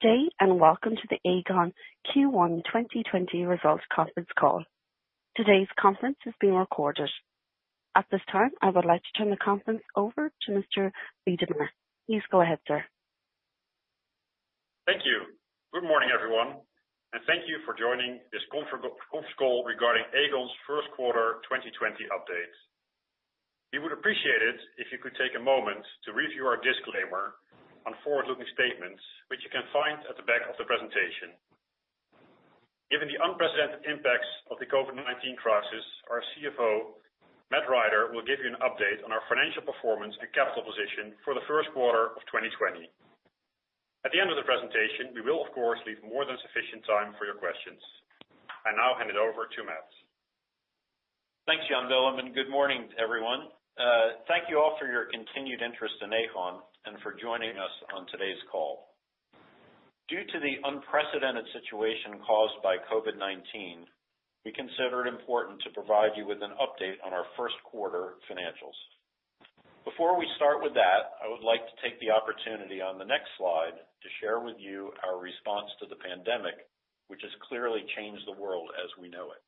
Good day, and welcome to the Aegon Q1 2020 Results Conference Call. Today's conference is being recorded. At this time, I would like to turn the conference over to Mr. Weidema. Please go ahead, sir. Thank you. Good morning, everyone, and thank you for joining this conference call regarding Aegon's first quarter twenty twenty update. We would appreciate it if you could take a moment to review our disclaimer on forward-looking statements, which you can find at the back of the presentation. Given the unprecedented impacts of the COVID-19 crisis, our CFO, Matt Rider, will give you an update on our financial performance and capital position for the first quarter of twenty twenty. At the end of the presentation, we will, of course, leave more than sufficient time for your questions. I now hand it over to Matt. Thanks, Jan Willem, and good morning, everyone. Thank you all for your continued interest in Aegon and for joining us on today's call. Due to the unprecedented situation caused by COVID-19, we consider it important to provide you with an update on our first quarter financials. Before we start with that, I would like to take the opportunity on the next slide to share with you our response to the pandemic, which has clearly changed the world as we know it.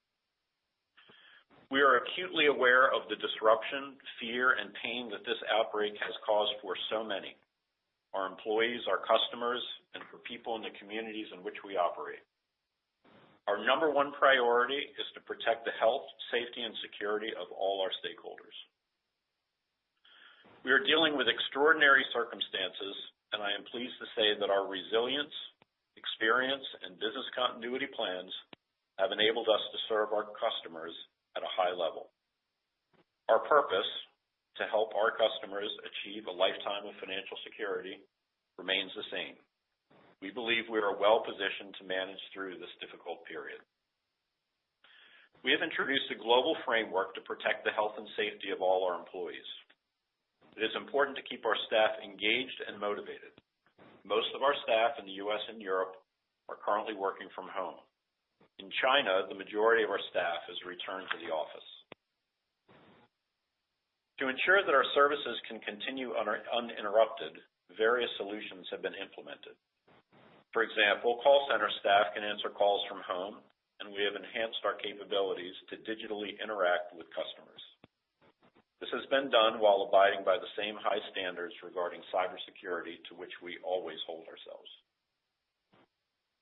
We are acutely aware of the disruption, fear, and pain that this outbreak has caused for so many: our employees, our customers, and for people in the communities in which we operate. Our number one priority is to protect the health, safety, and security of all our stakeholders. We are dealing with extraordinary circumstances, and I am pleased to say that our resilience, experience, and business continuity plans have enabled us to serve our customers at a high level. Our purpose, to help our customers achieve a lifetime of financial security, remains the same. We believe we are well positioned to manage through this difficult period. We have introduced a global framework to protect the health and safety of all our employees. It is important to keep our staff engaged and motivated. Most of our staff in the U.S. and Europe are currently working from home. In China, the majority of our staff has returned to the office. To ensure that our services can continue uninterrupted, various solutions have been implemented. For example, call center staff can answer calls from home, and we have enhanced our capabilities to digitally interact with customers. This has been done while abiding by the same high standards regarding cybersecurity, to which we always hold ourselves.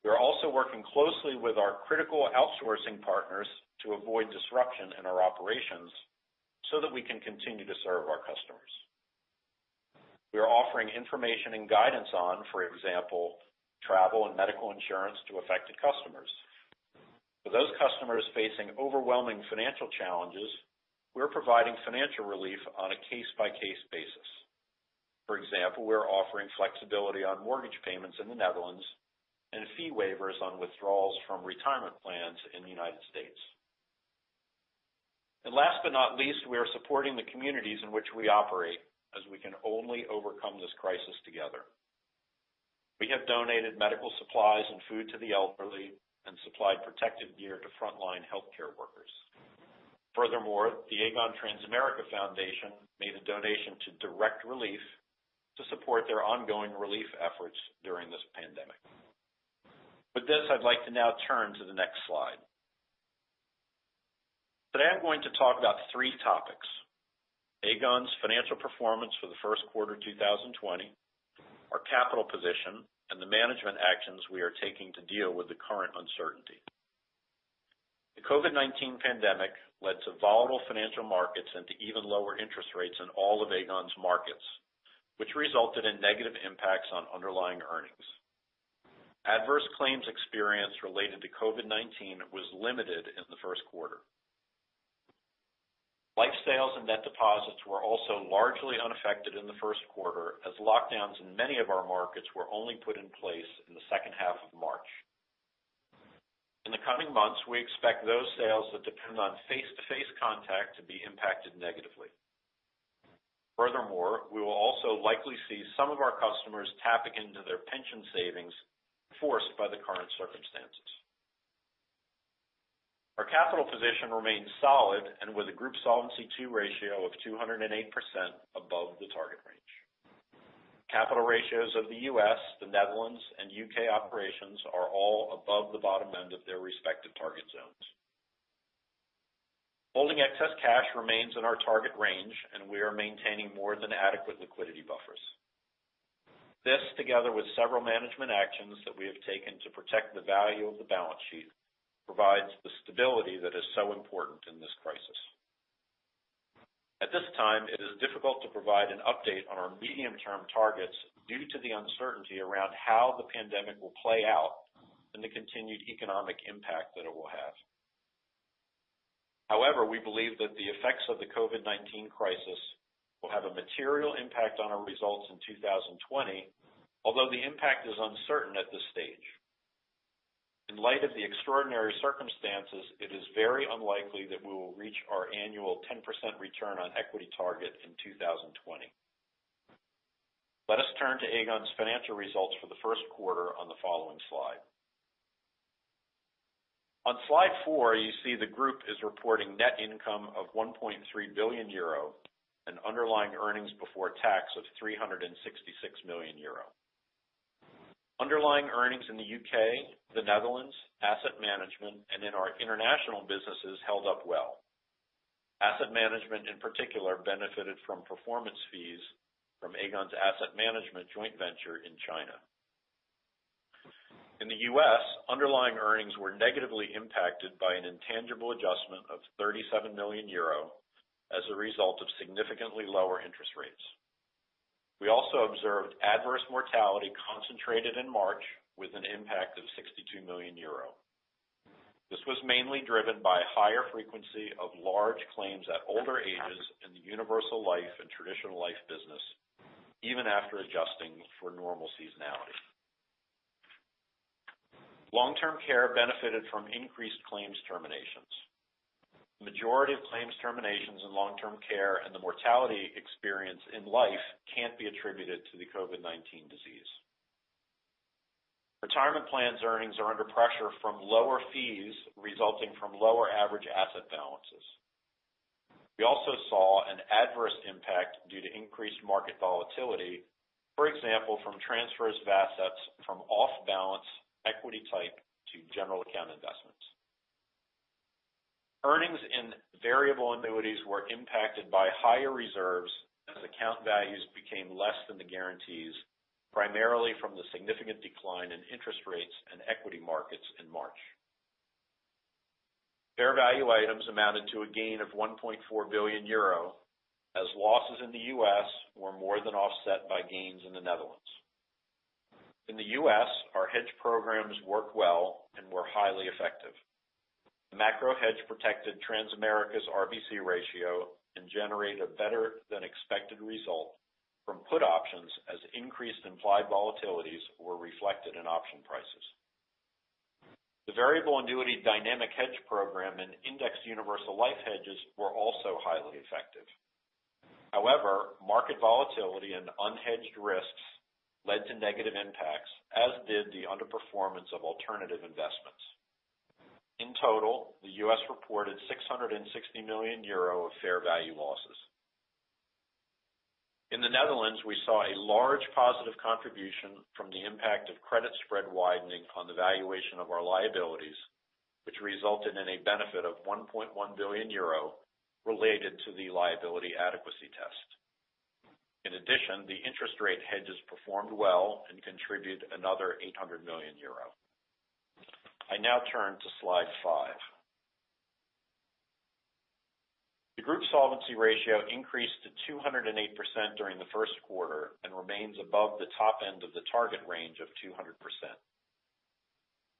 We are also working closely with our critical outsourcing partners to avoid disruption in our operations so that we can continue to serve our customers. We are offering information and guidance on, for example, travel and medical insurance to affected customers. For those customers facing overwhelming financial challenges, we're providing financial relief on a case-by-case basis. For example, we're offering flexibility on mortgage payments in the Netherlands and fee waivers on withdrawals from retirement plans in the United States. And last but not least, we are supporting the communities in which we operate, as we can only overcome this crisis together. We have donated medical supplies and food to the elderly and supplied protective gear to frontline healthcare workers. Furthermore, the Aegon Transamerica Foundation made a donation to Direct Relief to support their ongoing relief efforts during this pandemic. With this, I'd like to now turn to the next slide. Today, I'm going to talk about three topics: Aegon's financial performance for the first quarter 2020, our capital position, and the management actions we are taking to deal with the current uncertainty. The COVID-19 pandemic led to volatile financial markets and to even lower interest rates in all of Aegon's markets, which resulted in negative impacts on underlying earnings. Adverse claims experience related to COVID-19 was limited in the first quarter. Life sales and net deposits were also largely unaffected in the first quarter, as lockdowns in many of our markets were only put in place in the second half of March. In the coming months, we expect those sales that depend on face-to-face contact to be impacted negatively. Furthermore, we will also likely see some of our customers tapping into their pension savings, forced by the current circumstances. Our capital position remains solid and with a group Solvency II ratio of 208% above the target range. Capital ratios of the U.S., the Netherlands, and U.K. operations are all above the bottom end of their respective target zones. Holding excess cash remains in our target range, and we are maintaining more than adequate liquidity buffers. This, together with several management actions that we have taken to protect the value of the balance sheet, provides the stability that is so important in this crisis. At this time, it is difficult to provide an update on our medium-term targets due to the uncertainty around how the pandemic will play out and the continued economic impact that it will have. However, we believe that the effects of the COVID-19 crisis will have a material impact on our results in two thousand twenty, although the impact is uncertain at this stage. In light of the extraordinary circumstances, it is very unlikely that we will reach our annual 10% return on equity target in two thousand twenty. Let us turn to Aegon's financial results for the first quarter on the following slide. On Slide four, you see the group is reporting net income of 1.3 billion euro and underlying earnings before tax of 366 million euro. Underlying earnings in the U.K., the Netherlands, asset management, and in our international businesses held up well. Asset management, in particular, benefited from performance fees from Aegon's asset management joint venture in China. In the U.S., underlying earnings were negatively impacted by an intangible adjustment of 37 million euro as a result of significantly lower interest rates. We also observed adverse mortality concentrated in March, with an impact of 62 million euro. This was mainly driven by higher frequency of large claims at older ages in the universal life and traditional life business, even after adjusting for normal seasonality. Long-term care benefited from increased claims terminations. Majority of claims terminations in long-term care and the mortality experience in life can't be attributed to the COVID-19 disease. Retirement plans earnings are under pressure from lower fees resulting from lower average asset balances. We also saw an adverse impact due to increased market volatility, for example, from transfers of assets from off balance, equity type to general account investments. Earnings in variable annuities were impacted by higher reserves as account values became less than the guarantees, primarily from the significant decline in interest rates and equity markets in March. Fair value items amounted to a gain of 1.4 billion euro, as losses in the U.S. were more than offset by gains in the Netherlands. In the U.S., our hedge programs worked well and were highly effective. Macro Hedge protected Transamerica's RBC ratio and generated a better than expected result from put options as increased implied volatilities were reflected in option prices. The variable annuity dynamic hedge program and indexed universal life hedges were also highly effective. However, market volatility and unhedged risks led to negative impacts, as did the underperformance of alternative investments. In total, the U.S. reported 660 million euro of fair value losses. In the Netherlands, we saw a large positive contribution from the impact of credit spread widening on the valuation of our liabilities, which resulted in a benefit of 1.1 billion euro related to the liability adequacy test. In addition, the interest rate hedges performed well and contributed another 800 million euro. I now turn to Slide five. The group solvency ratio increased to 208% during the first quarter and remains above the top end of the target range of 200%.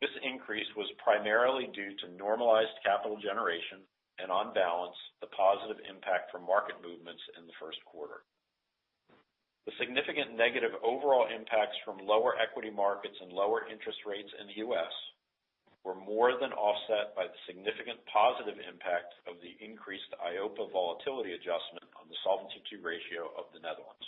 This increase was primarily due to normalized capital generation and on balance, the positive impact from market movements in the first quarter. The significant negative overall impacts from lower equity markets and lower interest rates in the U.S. were more than offset by the significant positive impact of the increased EIOPA volatility adjustment on the Solvency II ratio of the Netherlands.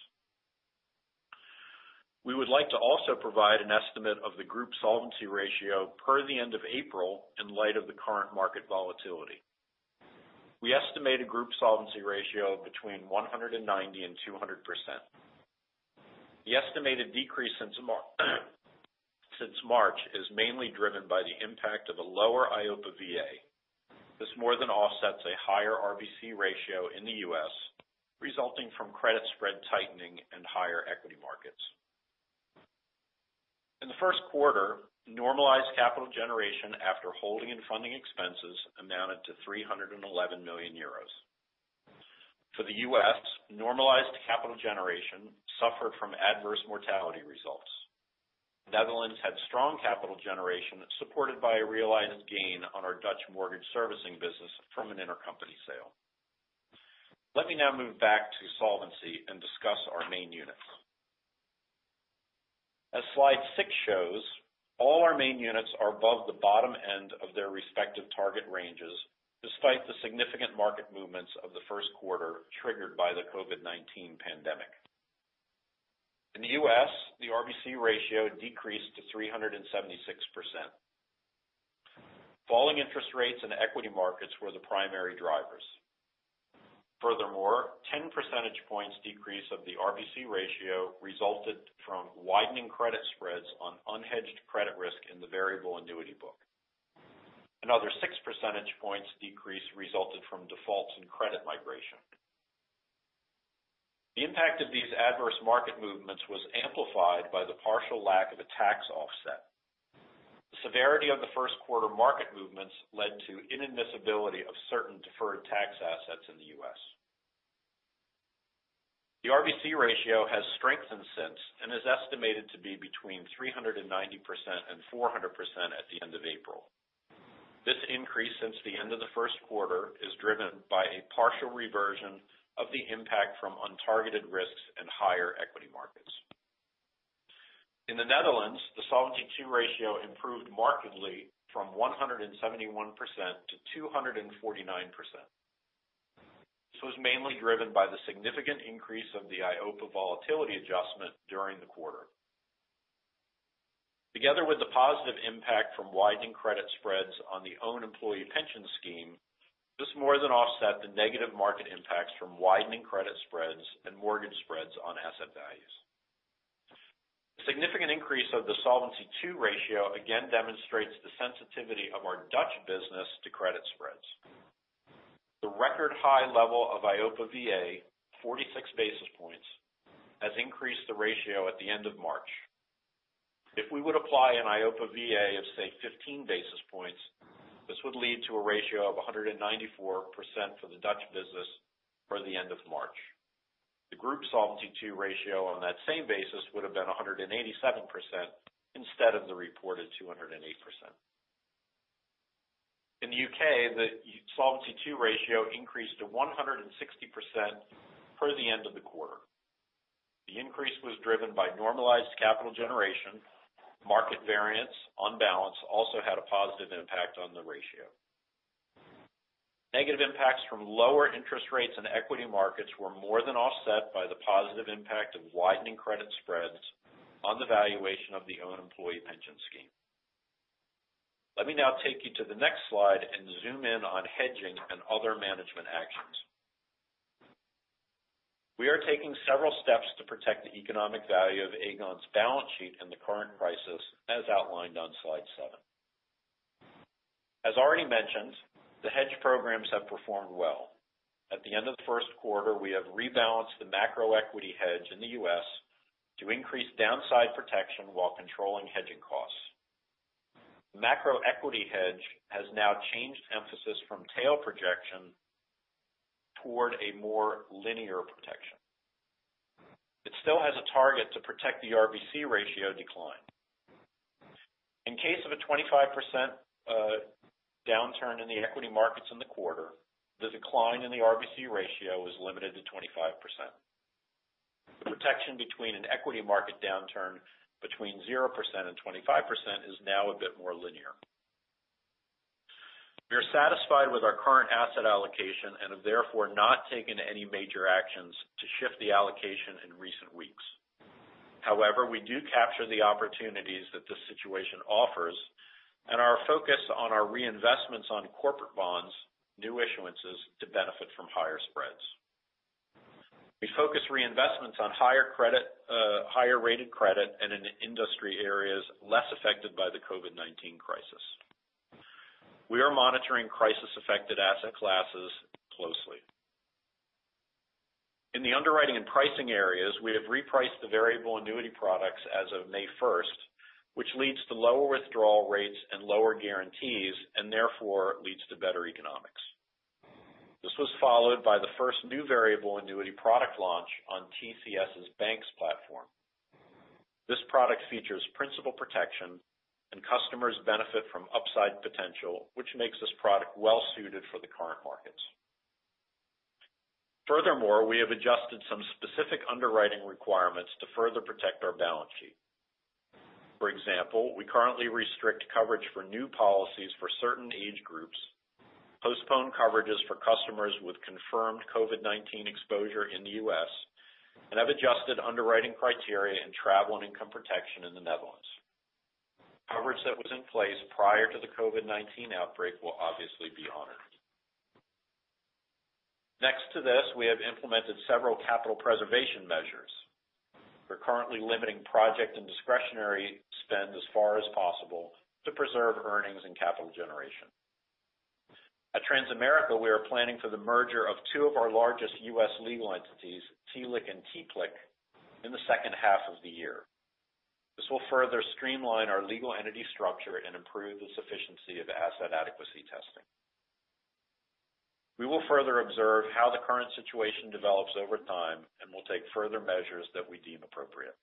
We would like to also provide an estimate of the group solvency ratio per the end of April in light of the current market volatility. We estimate a group solvency ratio between 100% and 200%. The estimated decrease since March is mainly driven by the impact of a lower EIOPA VA. This more than offsets a higher RBC ratio in the US, resulting from credit spread tightening and higher equity markets. In the first quarter, normalized capital generation after holding and funding expenses amounted to 311 million euros. For the US, normalized capital generation suffered from adverse mortality results. Netherlands had strong capital generation, supported by a realized gain on our Dutch mortgage servicing business from an intercompany sale. Let me now move back to solvency and discuss our main units. As slide six shows, all our main units are above the bottom end of their respective target ranges, despite the significant market movements of the first quarter, triggered by the COVID-19 pandemic. In the U.S., the RBC ratio decreased to 376%. Falling interest rates and equity markets were the primary drivers. Furthermore, 10 percentage points decrease of the RBC ratio resulted from widening credit spreads on unhedged credit risk in the variable annuity book. Another 6 percentage points decrease resulted from defaults and credit migration. The impact of these adverse market movements was amplified by the partial lack of a tax offset. The severity of the first quarter market movements led to inadmissibility of certain deferred tax assets in the U.S. The RBC ratio has strengthened since, and is estimated to be between 390% and 400% at the end of April. This increase since the end of the first quarter is driven by a partial reversion of the impact from untargeted risks and higher equity markets. In the Netherlands, the Solvency II ratio improved markedly from 171%-249%. This was mainly driven by the significant increase of the EIOPA volatility adjustment during the quarter. Together with the positive impact from widening credit spreads on the own employee pension scheme, this more than offset the negative market impacts from widening credit spreads and mortgage spreads on asset values. Significant increase of the Solvency II ratio again demonstrates the sensitivity of our Dutch business to credit spreads. The record high level of EIOPA VA, forty-six basis points, has increased the ratio at the end of March. If we would apply an EIOPA VA of, say, fifteen basis points, this would lead to a ratio of 194% for the Dutch business for the end of March. The group Solvency II ratio on that same basis would have been 187% instead of the reported 208%. In the U.K., the Solvency II ratio increased to 160% for the end of the quarter. The increase was driven by normalized capital generation. Market variance on balance also had a positive impact on the ratio. Negative impacts from lower interest rates and equity markets were more than offset by the positive impact of widening credit spreads on the valuation of the own employee pension scheme. Let me now take you to the next slide and zoom in on hedging and other management actions. We are taking several steps to protect the economic value of Aegon's balance sheet in the current crisis, as outlined on slide seven. As already mentioned, the hedge programs have performed well. At the end of the first quarter, we have rebalanced the macro equity hedge in the U.S. to increase downside protection while controlling hedging costs. Macro equity hedge has now changed emphasis from tail projection toward a more linear protection. It still has a target to protect the RBC ratio decline. In case of a 25% downturn in the equity markets in the quarter, the decline in the RBC ratio is limited to 25%. The protection between an equity market downturn between 0% and 25% is now a bit more linear. We are satisfied with our current asset allocation and have therefore not taken any major actions to shift the allocation in recent weeks. However, we do capture the opportunities that this situation offers and are focused on our reinvestments on corporate bonds, new issuances to benefit from higher spreads. We focus reinvestments on higher credit, higher-rated credit, and in the industry areas less affected by the COVID-19 crisis. We are monitoring crisis-affected asset classes closely. In the underwriting and pricing areas, we have repriced the variable annuity products as of May first, which leads to lower withdrawal rates and lower guarantees, and therefore leads to better economics. This was followed by the first new variable annuity product launch on TCS BaNCS platform. This product features principal protection and customers benefit from upside potential, which makes this product well suited for the current markets. Furthermore, we have adjusted some specific underwriting requirements to further protect our balance sheet. For example, we currently restrict coverage for new policies for certain age groups, postpone coverages for customers with confirmed COVID-19 exposure in the U.S., and have adjusted underwriting criteria and travel and income protection in the Netherlands. Coverage that was in place prior to the COVID-19 outbreak will obviously be honored. Next to this, we have implemented several capital preservation measures. We're currently limiting project and discretionary spend as far as possible to preserve earnings and capital generation. At Transamerica, we are planning for the merger of two of our largest U.S. legal entities, TLIC and TPLIC, in the second half of the year. This will further streamline our legal entity structure and improve the sufficiency of asset adequacy testing. We will further observe how the current situation develops over time, and we'll take further measures that we deem appropriate.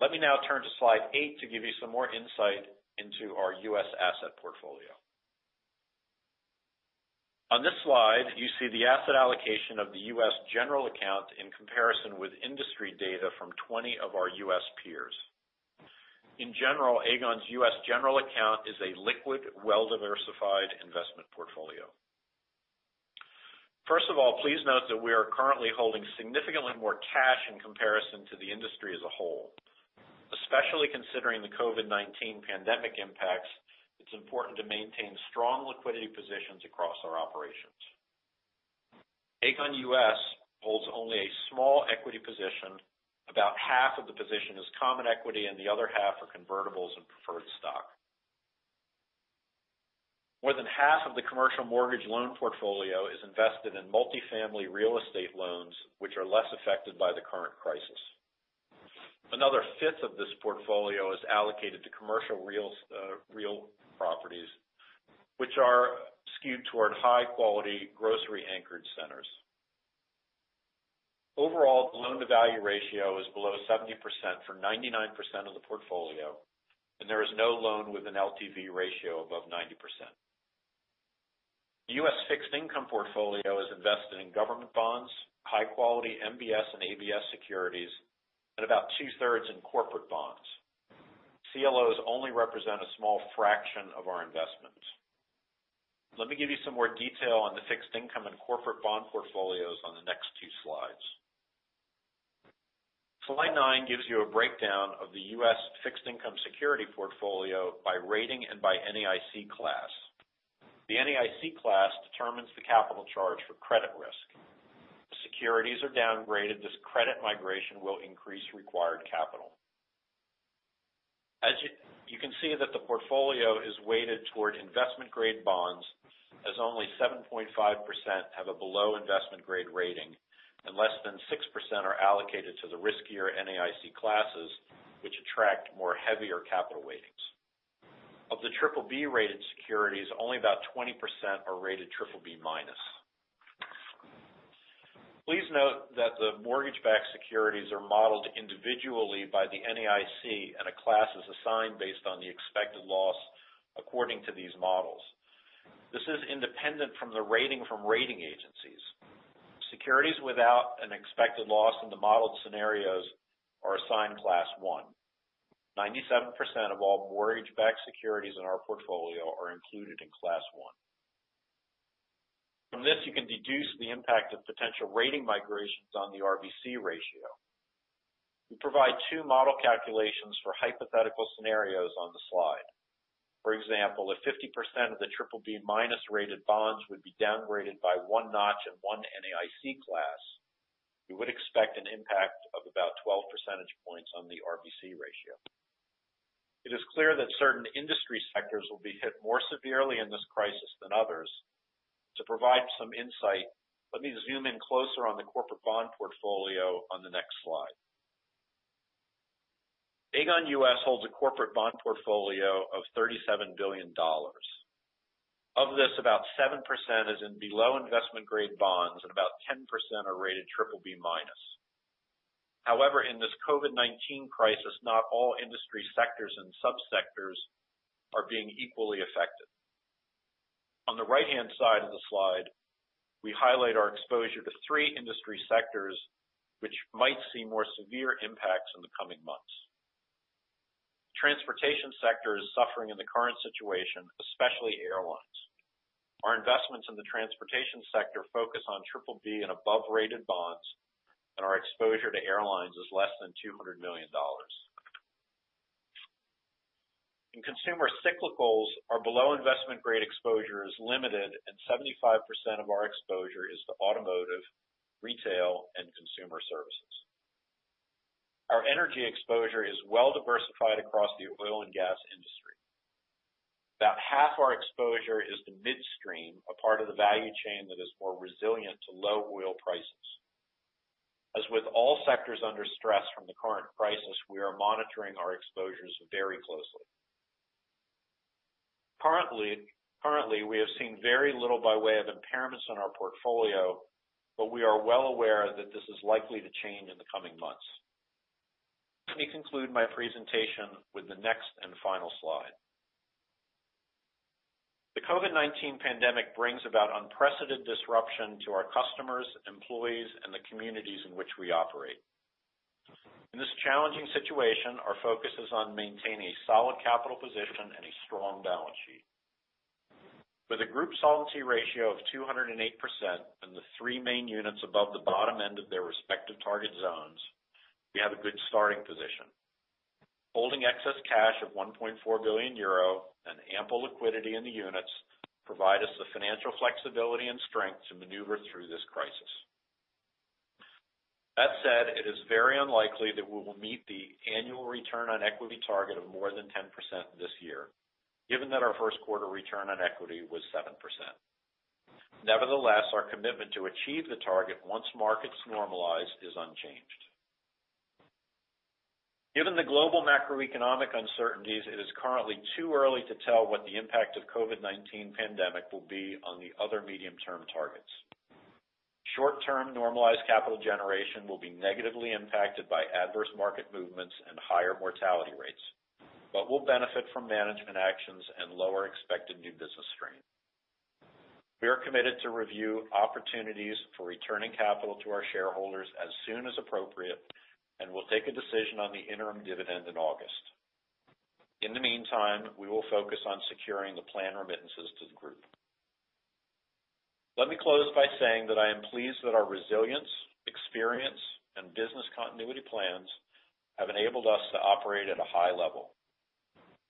Let me now turn to slide eight to give you some more insight into our U.S. asset portfolio. On this slide, you see the asset allocation of the U.S. general account in comparison with industry data from 20 of our U.S. peers. In general, Aegon's U.S. general account is a liquid, well-diversified investment portfolio. First of all, please note that we are currently holding significantly more cash in comparison to the industry as a whole. Especially considering the COVID-19 pandemic impacts, it's important to maintain strong liquidity positions across our operations. Aegon U.S. holds only a small equity position. About half of the position is common equity, and the other half are convertibles and preferred stock. More than half of the commercial mortgage loan portfolio is invested in multifamily real estate loans, which are less affected by the current crisis. Another fifth of this portfolio is allocated to commercial retail real properties, which are skewed toward high-quality, grocery-anchored centers. Overall, the loan-to-value ratio is below 70% for 99% of the portfolio, and there is no loan with an LTV ratio above 90%. U.S. fixed income portfolio is invested in government bonds, high quality MBS and ABS securities, and about two-thirds in corporate bonds. CLOs only represent a small fraction of our investment. Let me give you some more detail on the fixed income and corporate bond portfolios on the next two slides. Slide nine gives you a breakdown of the U.S. fixed income security portfolio by rating and by NAIC class. The NAIC class determines the capital charge for credit risk. If securities are downgraded, this credit migration will increase required capital. As you can see that the portfolio is weighted toward investment-grade bonds, as only 7.5% have a below investment-grade rating, and less than 6% are allocated to the riskier NAIC classes, which attract more heavier capital weightings. Of the triple B-rated securities, only about 20% are rated triple B minus. Please note that the mortgage-backed securities are modeled individually by the NAIC, and a class is assigned based on the expected loss according to these models. This is independent from the rating from rating agencies. Securities without an expected loss in the modeled scenarios are assigned class one. 97% of all mortgage-backed securities in our portfolio are included in class one. From this, you can deduce the impact of potential rating migrations on the RBC ratio. We provide two model calculations for hypothetical scenarios on the slide. For example, if 50% of the triple B minus rated bonds would be downgraded by one notch in one NAIC class, we would expect an impact of about 12 percentage points on the RBC ratio. It is clear that certain industry sectors will be hit more severely in this crisis than others. To provide some insight, let me zoom in closer on the corporate bond portfolio on the next slide. Aegon U.S. holds a corporate bond portfolio of $37 billion. Of this, about 7% is in below investment-grade bonds and about 10% are rated triple B minus. However, in this COVID-19 crisis, not all industry sectors and subsectors are being equally affected. On the right-hand side of the slide, we highlight our exposure to three industry sectors, which might see more severe impacts in the coming months. Transportation sector is suffering in the current situation, especially airlines. Our investments in the transportation sector focus on triple B and above-rated bonds, and our exposure to airlines is less than $200 million. In consumer cyclicals, our below investment-grade exposure is limited, and 75% of our exposure is to automotive, retail, and consumer services. Our energy exposure is well diversified across the oil and gas industry. About half our exposure is to midstream, a part of the value chain that is more resilient to low oil prices. As with all sectors under stress from the current crisis, we are monitoring our exposures very closely. Currently, we have seen very little by way of impairments in our portfolio, but we are well aware that this is likely to change in the coming months. Let me conclude my presentation with the next and final slide. The COVID-19 pandemic brings about unprecedented disruption to our customers, employees, and the communities in which we operate. In this challenging situation, our focus is on maintaining a solid capital position and a strong balance sheet. With a group solvency ratio of 208% and the three main units above the bottom end of their respective target zones, we have a good starting position. Holding excess cash of 1.4 billion euro and ample liquidity in the units provide us the financial flexibility and strength to maneuver through this crisis. That said, it is very unlikely that we will meet the annual return on equity target of more than 10% this year, given that our first quarter return on equity was 7%. Nevertheless, our commitment to achieve the target once markets normalize is unchanged. Given the global macroeconomic uncertainties, it is currently too early to tell what the impact of COVID-19 pandemic will be on the other medium-term targets. Short-term normalized capital generation will be negatively impacted by adverse market movements and higher mortality rates, but will benefit from management actions and lower expected new business strain. We are committed to review opportunities for returning capital to our shareholders as soon as appropriate, and we'll take a decision on the interim dividend in August. In the meantime, we will focus on securing the plan remittances to the group. Let me close by saying that I am pleased that our resilience, experience, and business continuity plans have enabled us to operate at a high level.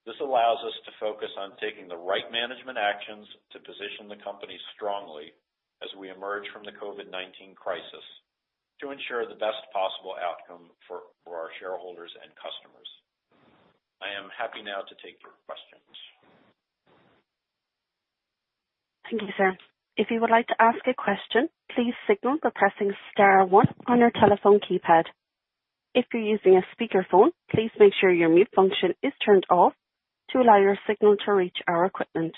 This allows us to focus on taking the right management actions to position the company strongly as we emerge from the COVID-19 crisis, to ensure the best possible outcome for our shareholders and customers. I am happy now to take your questions. Thank you, sir. If you would like to ask a question, please signal by pressing star one on your telephone keypad. If you're using a speakerphone, please make sure your mute function is turned off to allow your signal to reach our equipment.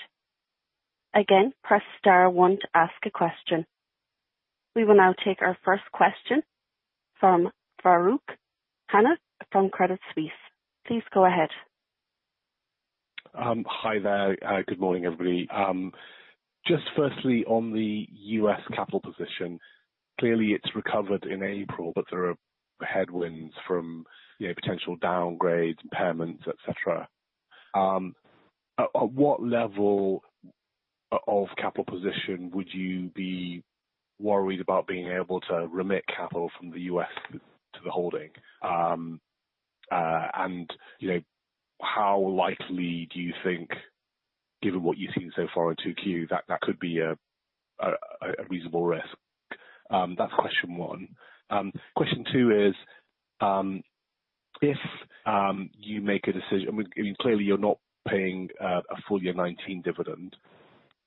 Again, press star one to ask a question. We will now take our first question from Farooq Han from Credit Suisse. Please go ahead.... hi there. Good morning, everybody. Just firstly, on the U.S. capital position, clearly it's recovered in April, but there are headwinds from, you know, potential downgrades, impairments, et cetera. At what level of capital position would you be worried about being able to remit capital from the U.S. to the holding? And, you know, how likely do you think, given what you've seen so far in 2Q, that that could be a reasonable risk? That's question one. Question two is, if you make a decision, I mean, clearly you're not paying a full year 'nineteen dividend,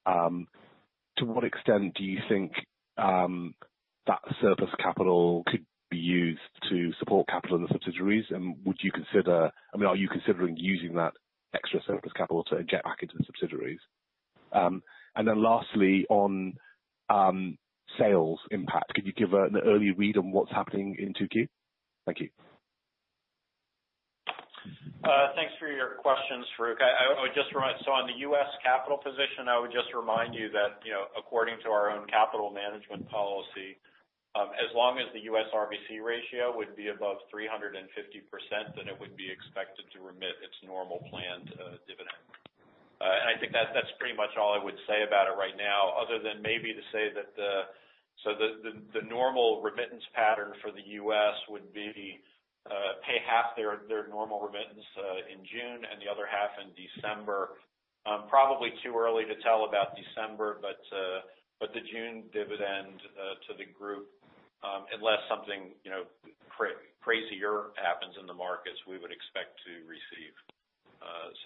to what extent do you think that surplus capital could be used to support capital in the subsidiaries? I mean, are you considering using that extra surplus capital to inject back into the subsidiaries? And then lastly, on sales impact, could you give an early read on what's happening in 2Q? Thank you. Thanks for your questions, Farooq. I would just remind you that on the U.S. capital position, you know, according to our own capital management policy, as long as the U.S. RBC ratio would be above 350%, then it would be expected to remit its normal planned dividend. And I think that's pretty much all I would say about it right now, other than maybe to say that the normal remittance pattern for the U.S. would be pay half their normal remittance in June and the other half in December. Probably too early to tell about December, but the June dividend to the group, unless something, you know, crazier happens in the markets, we would expect to receive.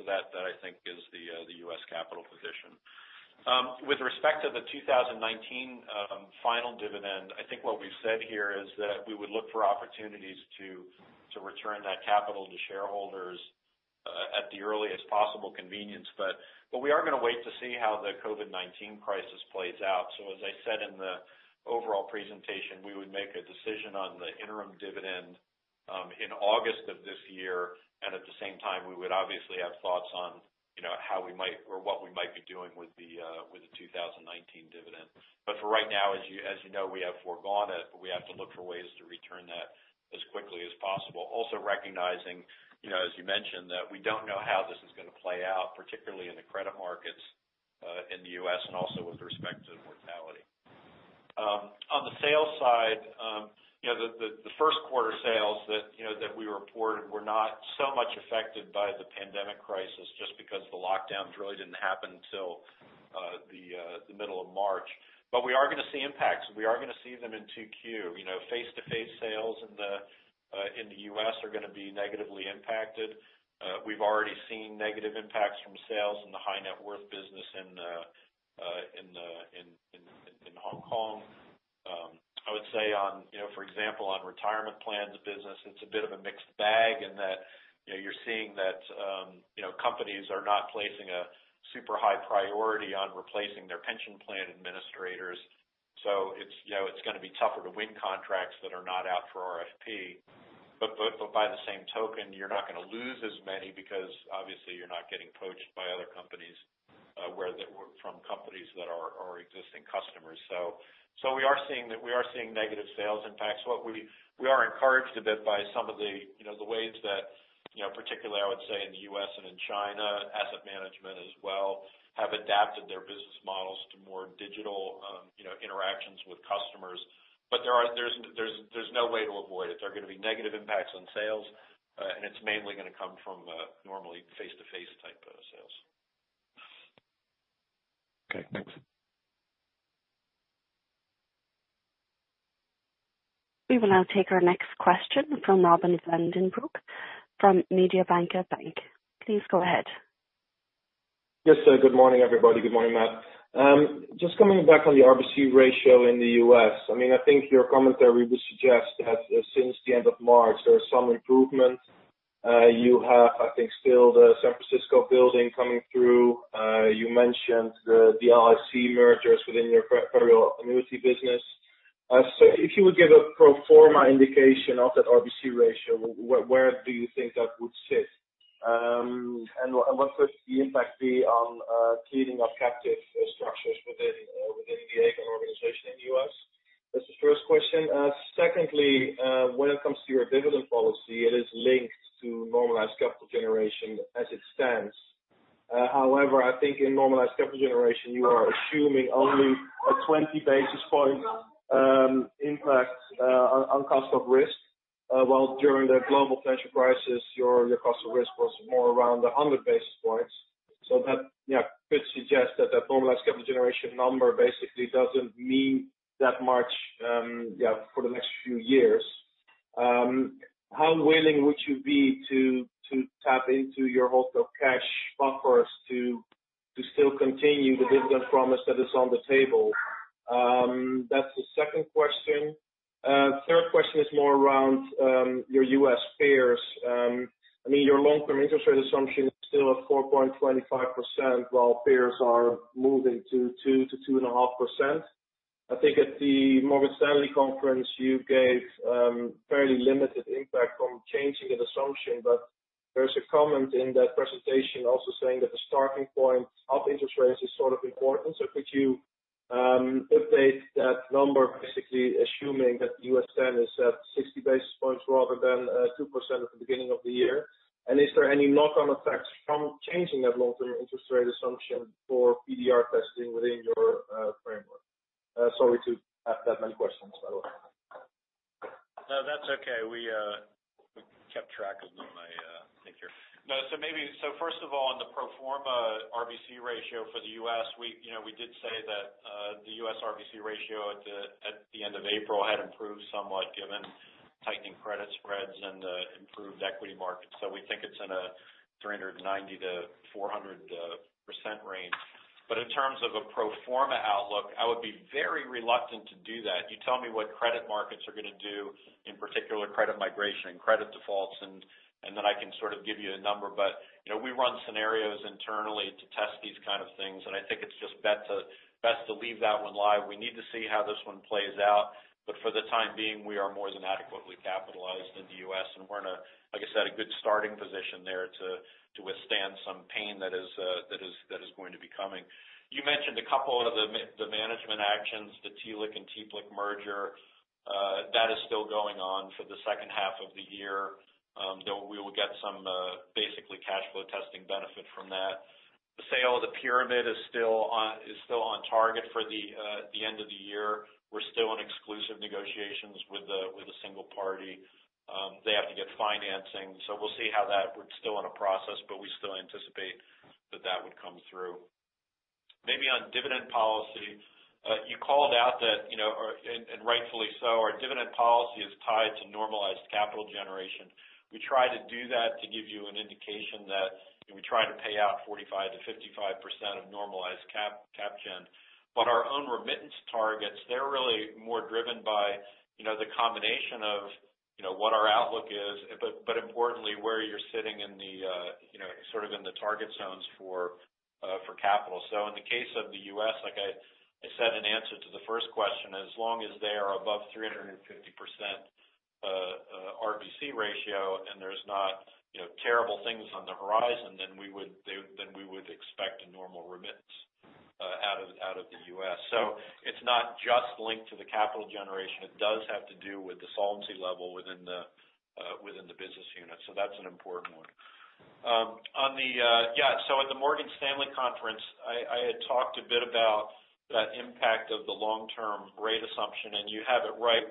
So that, that I think is the U.S. capital position. With respect to the 2019 final dividend, I think what we've said here is that we would look for opportunities to return that capital to shareholders at the earliest possible convenience. But we are gonna wait to see how the COVID-19 crisis plays out. So as I said in the overall presentation, we would make a decision on the interim dividend in August of this year, and at the same time, we would obviously have thoughts on, you know, how we might or what we might be doing with the 2019 dividend. But for right now, as you know, we have foregone it, but we have to look for ways to return that as quickly as possible. Also recognizing, you know, as you mentioned, that we don't know how this is gonna play out, particularly in the credit markets in the U.S. and also with respect to the mortality. On the sales side, you know, the first quarter sales that, you know, that we reported were not so much affected by the pandemic crisis, just because the lockdowns really didn't happen until the middle of March. But we are gonna see impacts. We are gonna see them in 2Q. You know, face-to-face sales in the U.S. are gonna be negatively impacted. We've already seen negative impacts from sales in the high net worth business in Hong Kong. I would say on, you know, for example, on retirement plans business, it's a bit of a mixed bag in that, you know, you're seeing that, you know, companies are not placing a super high priority on replacing their pension plan administrators. So it's, you know, it's gonna be tougher to win contracts that are not out for RFP. But by the same token, you're not gonna lose as many because obviously you're not getting poached by other companies from companies that are existing customers. So we are seeing negative sales impacts. What we are encouraged a bit by some of the, you know, the ways that, you know, particularly I would say in the U.S. and in China, asset management as well, have adapted their business models to more digital, you know, interactions with customers. But there is no way to avoid it. There are gonna be negative impacts on sales, and it's mainly gonna come from normally face-to-face type of sales. Okay, thanks. We will now take our next question from Robin van den Broek from Mediobanca. Please go ahead. Yes, sir. Good morning, everybody. Good morning, Matt. Just coming back on the RBC ratio in the US, I mean, I think your commentary would suggest that since the end of March, there is some improvement. You have, I think, still the San Francisco building coming through. You mentioned the TLIC mergers within your federal annuity business. So if you would give a pro forma indication of that RBC ratio, where do you think that would sit? And what could the impact be on cleaning up captive structures within the Aegon organization in the US? That's the first question. Secondly, when it comes to your dividend policy, it is linked to normalized capital generation as it stands. However, I think in normalized capital generation, you are assuming only a twenty basis point impact on cost of risk. While during the global financial crisis, your cost of risk was more around a hundred basis points. So that could suggest that the normalized capital generation number basically doesn't mean that much for the next few years. How willing would you be to tap into your host of cash buffers to still continue the dividend promise that is on the table? That's the second question. Third question is more around your U.S. peers. I mean, your long-term interest rate assumption is still at 4.25%, while peers are moving to 2% to 2.5%. I think at the Morgan Stanley conference, you gave fairly limited impact from changing an assumption, but there's a comment in that presentation also saying that the starting point of interest rates is sort of important. So could you update that number, basically assuming that the U.S. 10 is at 60 basis points rather than 2% at the beginning of the year? And is there any knock-on effects from changing that long-term interest rate assumption for PDR testing within your framework? Sorry to ask that many questions, by the way. No, that's okay. We, we kept track of them. I, thank you. No, so maybe so first of all, on the pro forma RBC ratio for the US, we, you know, we did say that, the US RBC ratio at the end of April had improved somewhat, given tightening credit spreads and, improved equity markets. So we think it's in a 300-400% range. But in terms of a pro forma outlook, I would be very reluctant to do that. You tell me what credit markets are gonna do, in particular, credit migration and credit defaults, and then I can sort of give you a number. But, you know, we run scenarios internally to test these kind of things, and I think it's just best to leave that one live. We need to see how this one plays out, but for the time being, we are more than adequately capitalized in the U.S., and we're in a, like I said, a good starting position there to withstand some pain that is going to be coming. You mentioned a couple of the management actions, the TLIC and TPLIC merger. That is still going on for the second half of the year. Though we will get some basically cash flow testing benefit from that. The sale of the Pyramid is still on, is still on target for the end of the year. We're still in exclusive negotiations with a single party. They have to get financing, so we'll see how that. We're still in a process, but we still anticipate that that would come through. Maybe on dividend policy, you called out that, you know, and rightfully so, our dividend policy is tied to normalized capital generation. We try to do that to give you an indication that we try to pay out 45%-55% of normalized cap gen. But our own remittance targets, they're really more driven by, you know, the combination of, you know, what our outlook is, but importantly, where you're sitting in the, you know, sort of in the target zones for, for capital. So in the case of the U.S., like I said in answer to the first question, as long as they are above 350% RBC ratio, and there's not, you know, terrible things on the horizon, then we would expect a normal remittance out of the U.S. So it's not just linked to the capital generation. It does have to do with the solvency level within the business unit. So that's an important one. At the Morgan Stanley conference, I had talked a bit about that impact of the long-term rate assumption, and you have it right.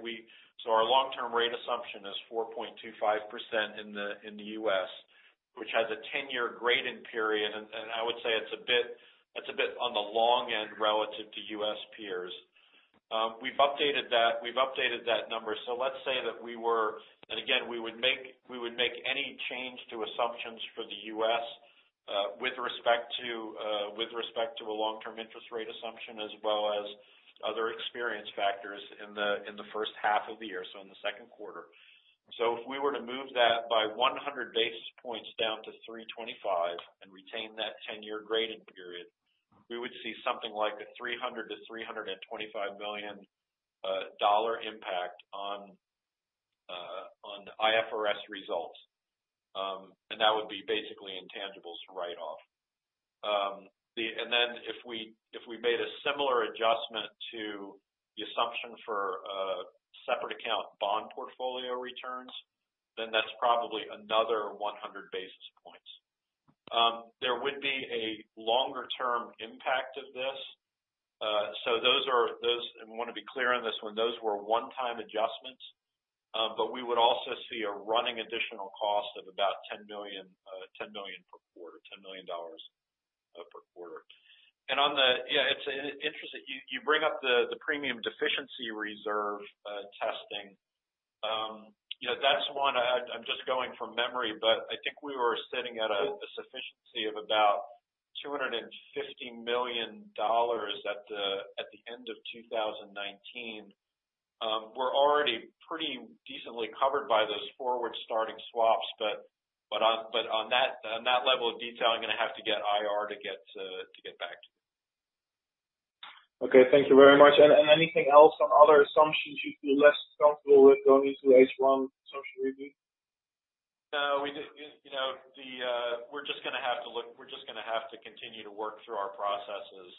Our long-term rate assumption is 4.25% in the US, which has a ten-year grading period, and I would say it's a bit on the long end relative to U.S. peers. We've updated that number. So let's say that, and again, we would make any change to assumptions for the US with respect to a long-term interest rate assumption as well as other experience factors in the first half of the year, so in the second quarter. So if we were to move that by 100 basis points down to 3.25 and retain that ten-year grading period, we would see something like a $300-$325 million dollar impact on IFRS results. And that would be basically intangibles write-off. And then if we made a similar adjustment to the assumption for separate account bond portfolio returns, then that's probably another 100 basis points. There would be a longer term impact of this. So those were one-time adjustments, and we want to be clear on this one, but we would also see a running additional cost of about $10 million per quarter. And on the, it's interesting you bring up the premium deficiency reserve testing. You know, that's one I'm just going from memory, but I think we were sitting at a sufficiency of about $250 million at the end of 2019. We're already pretty decently covered by those forward-starting swaps, but on that level of detail, I'm gonna have to get IR to get back to you. Okay. Thank you very much. And anything else on other assumptions you'd feel less comfortable with going into H1 assumption review? No, you know, we're just gonna have to continue to work through our processes.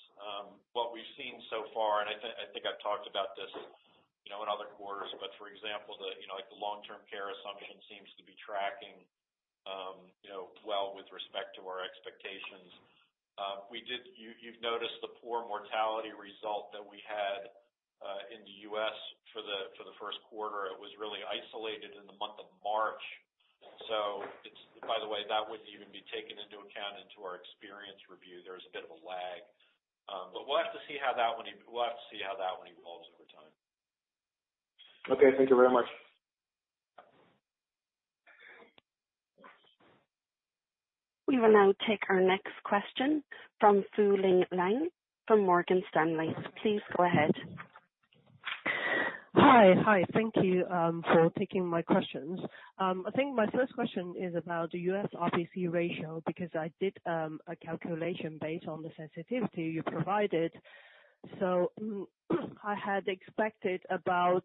What we've seen so far, and I think I've talked about this, you know, in other quarters, but for example, you know, like, the long-term care assumption seems to be tracking well with respect to our expectations. We did, you've noticed the poor mortality result that we had in the U.S. for the first quarter. It was really isolated in the month of March. So it's, by the way, that wouldn't even be taken into account in our experience review. There's a bit of a lag, but we'll have to see how that one evolves over time. Okay. Thank you very much. We will now take our next question from Fulin Ong from Morgan Stanley. Please go ahead. Hi. Hi, thank you for taking my questions. I think my first question is about the U.S. RBC ratio, because I did a calculation based on the sensitivity you provided. So, I had expected about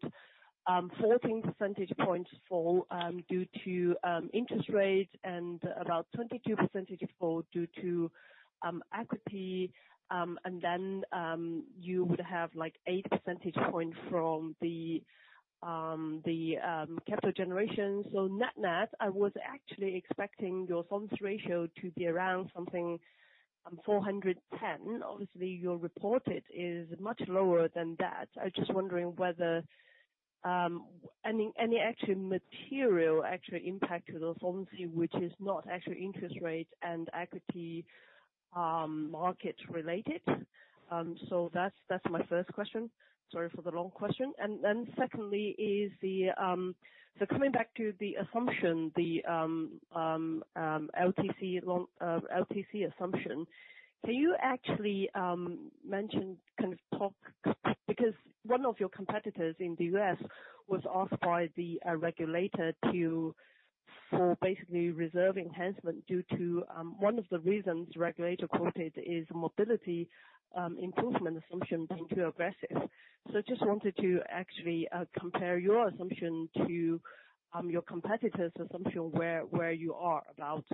14 percentage points fall due to interest rates and about 22 percentage fall due to equity. And then, you would have like eight percentage points from the capital generation. So net-net, I was actually expecting your funds ratio to be around something 410. Obviously, your reported is much lower than that. I was just wondering whether any actual material impact to the solvency, which is not actual interest rate and equity market related? So that's my first question. Sorry for the long question. And then secondly, so coming back to the assumption, the LTC long LTC assumption, do you actually mention kind of talk? Because one of your competitors in the U.S. was asked by the regulator to for basically reserve enhancement due to one of the reasons regulator quoted is mobility improvement assumptions being too aggressive. So just wanted to actually compare your assumption to your competitor's assumption, where where you are about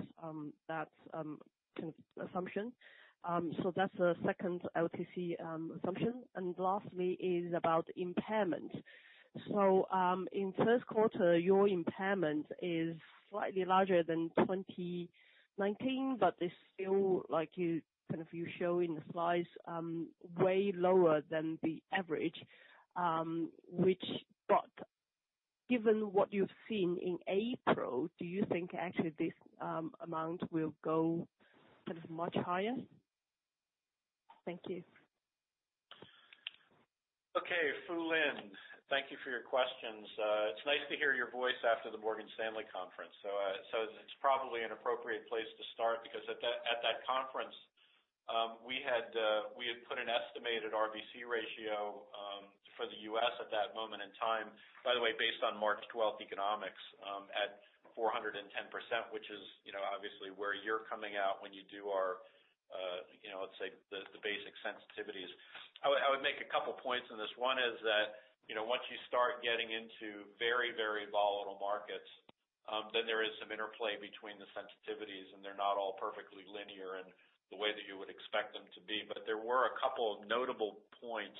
that kind of assumption. So that's the second LTC assumption. And lastly is about impairment. So in first quarter, your impairment is slightly larger than 2019, but it's still like you kind of you show in the slides way lower than the average. But given what you've seen in April, do you think actually this amount will go kind of much higher? Thank you. Okay, Fuling, thank you for your questions. It's nice to hear your voice after the Morgan Stanley conference. So, it's probably an appropriate place to start because at that conference, we had put an estimated RBC ratio for the US at that moment in time. By the way, based on March twelfth economics, at 410%, which is, you know, obviously where you're coming out when you do our, you know, let's say the basic sensitivities. I would make a couple points on this. One is that, you know, once you start getting into very, very volatile markets, then there is some interplay between the sensitivities, and they're not all perfectly linear in the way that you would expect them to be. But there were a couple of notable points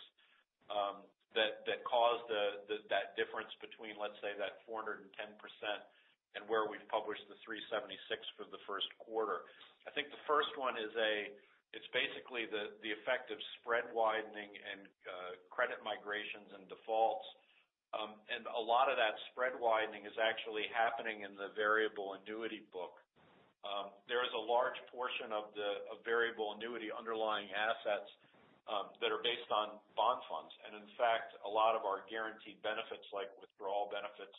that caused that difference between, let's say, that 410% and where we've published the 376 for the first quarter. I think the first one is it's basically the effect of spread widening and credit migrations and defaults. And a lot of that spread widening is actually happening in the variable annuity book. There is a large portion of the variable annuity underlying assets that are based on bond funds. And in fact, a lot of our guaranteed benefits, like withdrawal benefits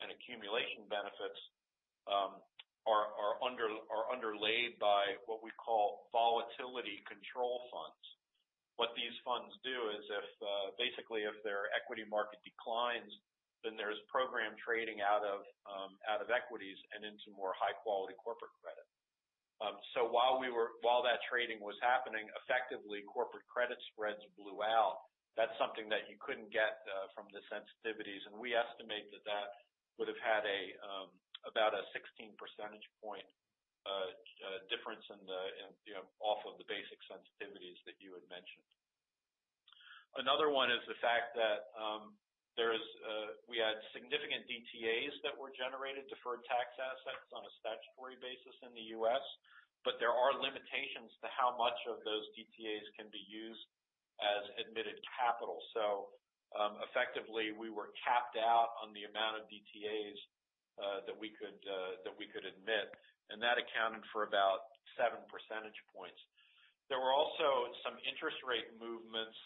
and accumulation benefits, are underlaid by what we call volatility control funds. What these funds do is if, basically if their equity market declines, then there's program trading out of equities and into more high quality corporate credit. So while that trading was happening, effectively corporate credit spreads blew out. That's something that you couldn't get from the sensitivities, and we estimate that that would have had about a 16 percentage point difference in the, you know, off of the basic sensitivities that you had mentioned. Another one is the fact that we had significant DTAs that were generated, deferred tax assets on a statutory basis in the US, but there are limitations to how much of those DTAs can be used as admitted capital. Effectively, we were capped out on the amount of DTAs that we could admit, and that accounted for about seven percentage points. There were also some interest rate movements,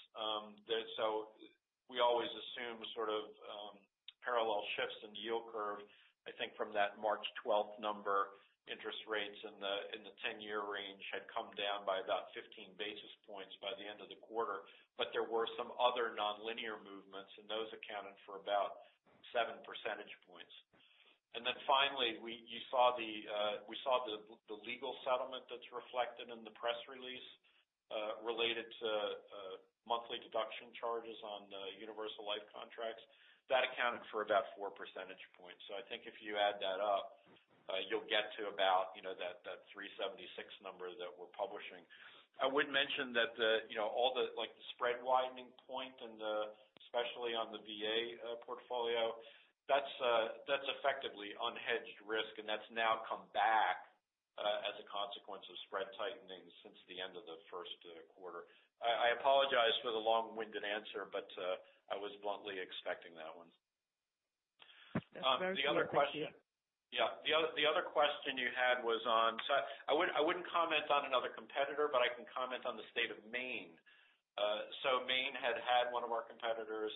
so we always assume sort of parallel shifts in the yield curve. I think from that March twelfth number, interest rates in the ten-year range had come down by about fifteen basis points by the end of the quarter, but there were some other nonlinear movements, and those accounted for about seven percentage points. Finally, you saw the legal settlement that's reflected in the press release related to monthly deduction charges on the universal life contracts. That accounted for about four percentage points. So I think if you add that up, you'll get to about, you know, that 376 number that we're publishing. I would mention that the, you know, all the, like, spread widening point and the, especially on the VA portfolio, that's effectively unhedged risk, and that's now come back as a consequence of spread tightening since the end of the first quarter. I apologize for the long-winded answer, but I was bluntly expecting that one. That's very clear. Thank you. The other question you had was on. I wouldn't comment on another competitor, but I can comment on the state of Maine. Maine had one of our competitors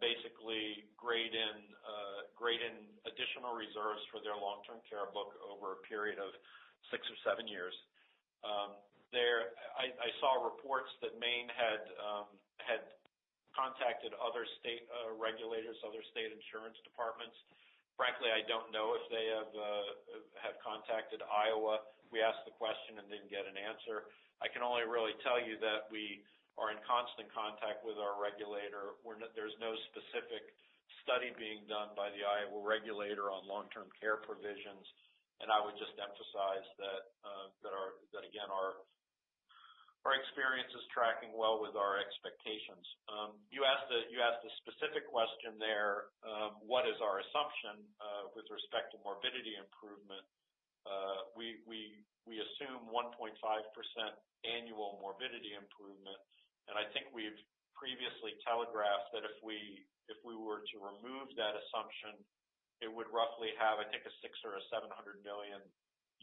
basically written in additional reserves for their long-term care book over a period of six or seven years. I saw reports that Maine had contacted other state regulators, other state insurance departments. Frankly, I don't know if they have contacted Iowa. We asked the question and didn't get an answer. I can only really tell you that we are in constant contact with our regulator, where there's no specific study being done by the Iowa regulator on long-term care provisions. And I would just emphasize that again, our experience is tracking well with our expectations. You asked the specific question there, what is our assumption with respect to morbidity improvement? We assume 1.5% annual morbidity improvement, and I think we've previously telegraphed that if we were to remove that assumption, it would roughly have, I think, a $600 million-$700 million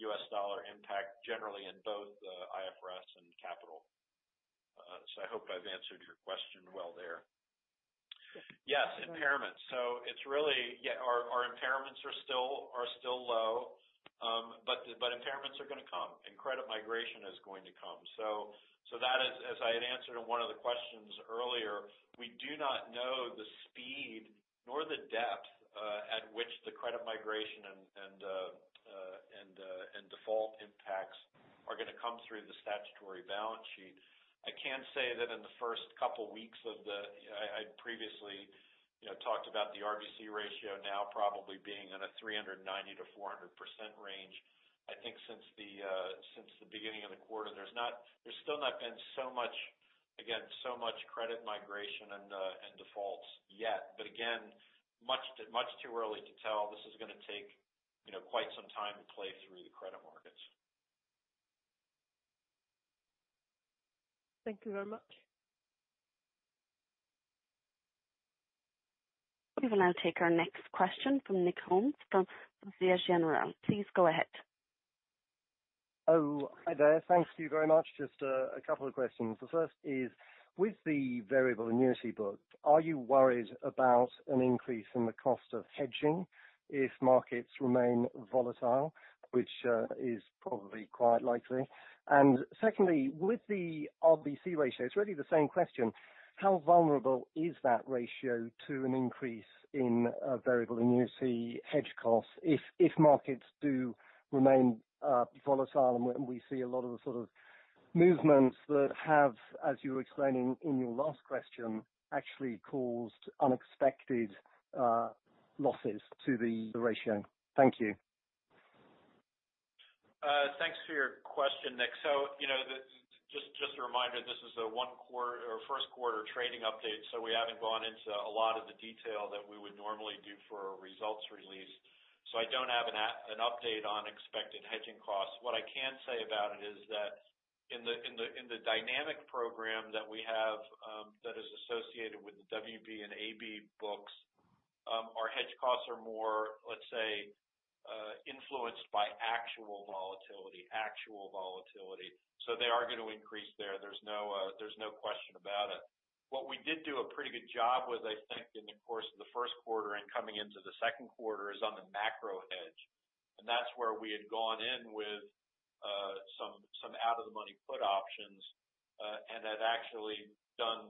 impact, generally in both the IFRS and capital. So I hope I've answered your question well there. Yes, impairment. So it's really, yeah, our impairments are still low. But impairments are going to come, and credit migration is going to come. That is, as I had answered in one of the questions earlier, we do not know the speed nor the depth at which the credit migration and default impacts are going to come through the statutory balance sheet. I can say that in the first couple weeks of the... I previously, you know, talked about the RBC ratio now probably being in a 390-400% range. I think since the beginning of the quarter, there's still not been so much, again, so much credit migration and defaults yet. But again, much too early to tell. This is gonna take, you know, quite some time to play through the credit markets. Thank you very much. We will now take our next question from Nick Holmes, from Société Générale. Please go ahead. Oh, hi there. Thank you very much. Just a couple of questions. The first is, with the variable annuity book, are you worried about an increase in the cost of hedging if markets remain volatile, which is probably quite likely? And secondly, with the RBC ratio, it's really the same question: How vulnerable is that ratio to an increase in variable annuity hedge costs if markets do remain volatile, and we see a lot of the sort of movements that have, as you were explaining in your last question, actually caused unexpected losses to the ratio? Thank you. Thanks for your question, Nick. So, you know, just a reminder, this is a one-quarter or first quarter trading update, so we haven't gone into a lot of the detail that we would normally do for a results release. So I don't have an update on expected hedging costs. What I can say about it is that in the dynamic program that we have, that is associated with the WB and AB books, our hedge costs are more, let's say, influenced by actual volatility, actual volatility. So they are going to increase there. There's no question about it. What we did do a pretty good job with, I think, in the course of the first quarter and coming into the second quarter, is on the macro hedge, and that's where we had gone in with some out-of-the-money put options, and had actually done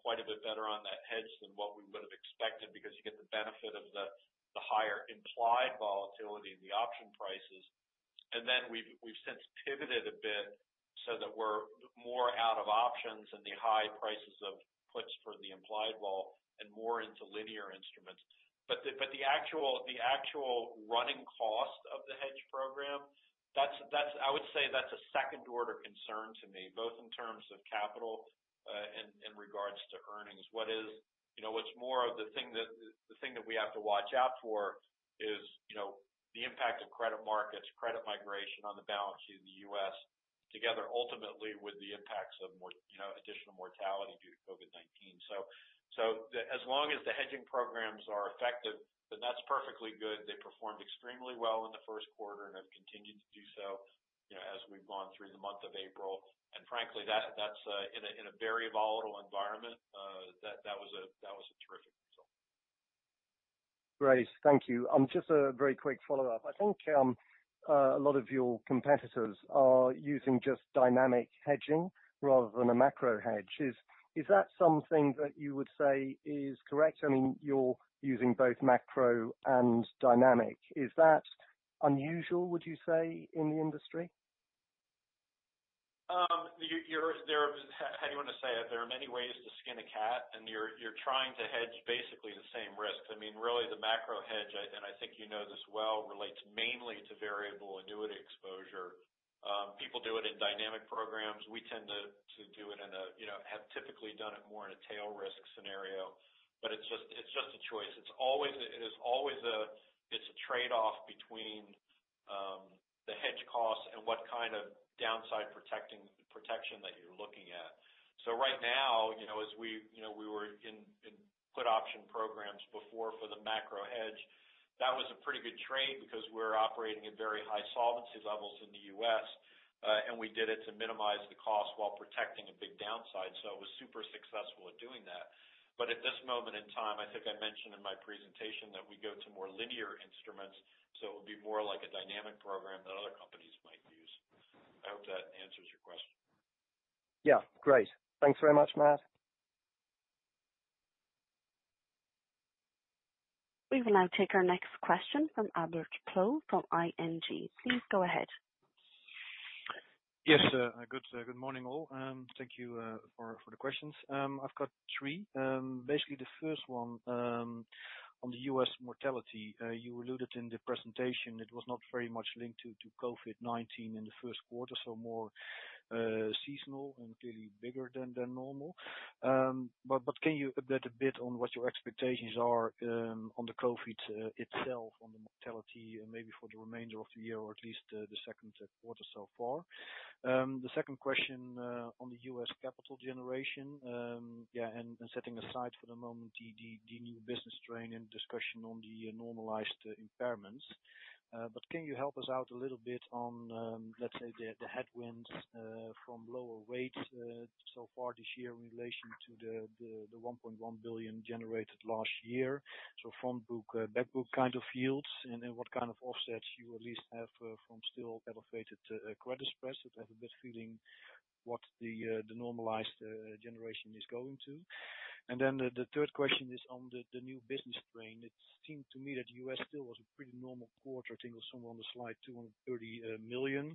quite a bit better on that hedge than what we would have expected, because you get the benefit of the higher implied volatility in the option prices. And then we've since pivoted a bit so that we're more out of options in the high prices of puts for the implied vol and more into linear instruments. But the actual running cost of the hedge program, that's I would say that's a second-order concern to me, both in terms of capital and in regards to earnings. What is... You know, what's more the thing that we have to watch out for is, you know, the impact of credit markets, credit migration on the balance sheet of the US, together ultimately with the impacts of mort- you know, additional mortality due to COVID-19. So, as long as the hedging programs are effective, then that's perfectly good. They performed extremely well in the first quarter and have continued to do so, you know, as we've gone through the month of April. And frankly, that's in a very volatile environment, that was a terrific result. Great. Thank you. Just a very quick follow-up. I think a lot of your competitors are using just dynamic hedging rather than a macro hedge. Is that something that you would say is correct? I mean, you're using both macro and dynamic. Is that unusual, would you say, in the industry? There are many ways to skin a cat, and you're trying to hedge basically the same risk. I mean, really, the macro hedge, and I think you know this well, relates mainly to variable annuity exposure. People do it in dynamic programs. We tend to do it in a, you know, have typically done it more in a tail risk scenario, but it's just a choice. It's always a trade-off between the hedge costs and what kind of downside protection that you're looking at. So right now, you know, as we, you know, we were in put option programs before for the macro hedge, that was a pretty good trade because we're operating at very high solvency levels in the U.S., and we did it to minimize the cost while protecting a big downside. So it was super successful at doing that. But at this moment in time, I think I mentioned in my presentation that we go to more linear instruments, so it would be more like a dynamic program than other companies might do. I hope that answers your question. Yeah. Great. Thanks very much, Matt. We will now take our next question from Albert Ploegh from ING. Please go ahead. Yes, good morning, all, and thank you for the questions. I've got three. Basically, the first one on the U.S. mortality. You alluded in the presentation, it was not very much linked to COVID-19 in the first quarter, so more seasonal and clearly bigger than normal. But can you update a bit on what your expectations are on the COVID itself on the mortality, and maybe for the remainder of the year, or at least the second quarter so far? The second question on the U.S. capital generation. Yeah, and setting aside for the moment, the new business strain and discussion on the normalized impairments. But can you help us out a little bit on, let's say, the headwinds from lower rates so far this year in relation to the €1.1 billion generated last year? So front book, back book kind of yields, and then what kind of offsets you at least have from still elevated credit spreads. I have a good feeling what the normalized generation is going to. And then the third question is on the new business strain. It seemed to me that US still was a pretty normal quarter. I think it was somewhere on the slide, 230 million.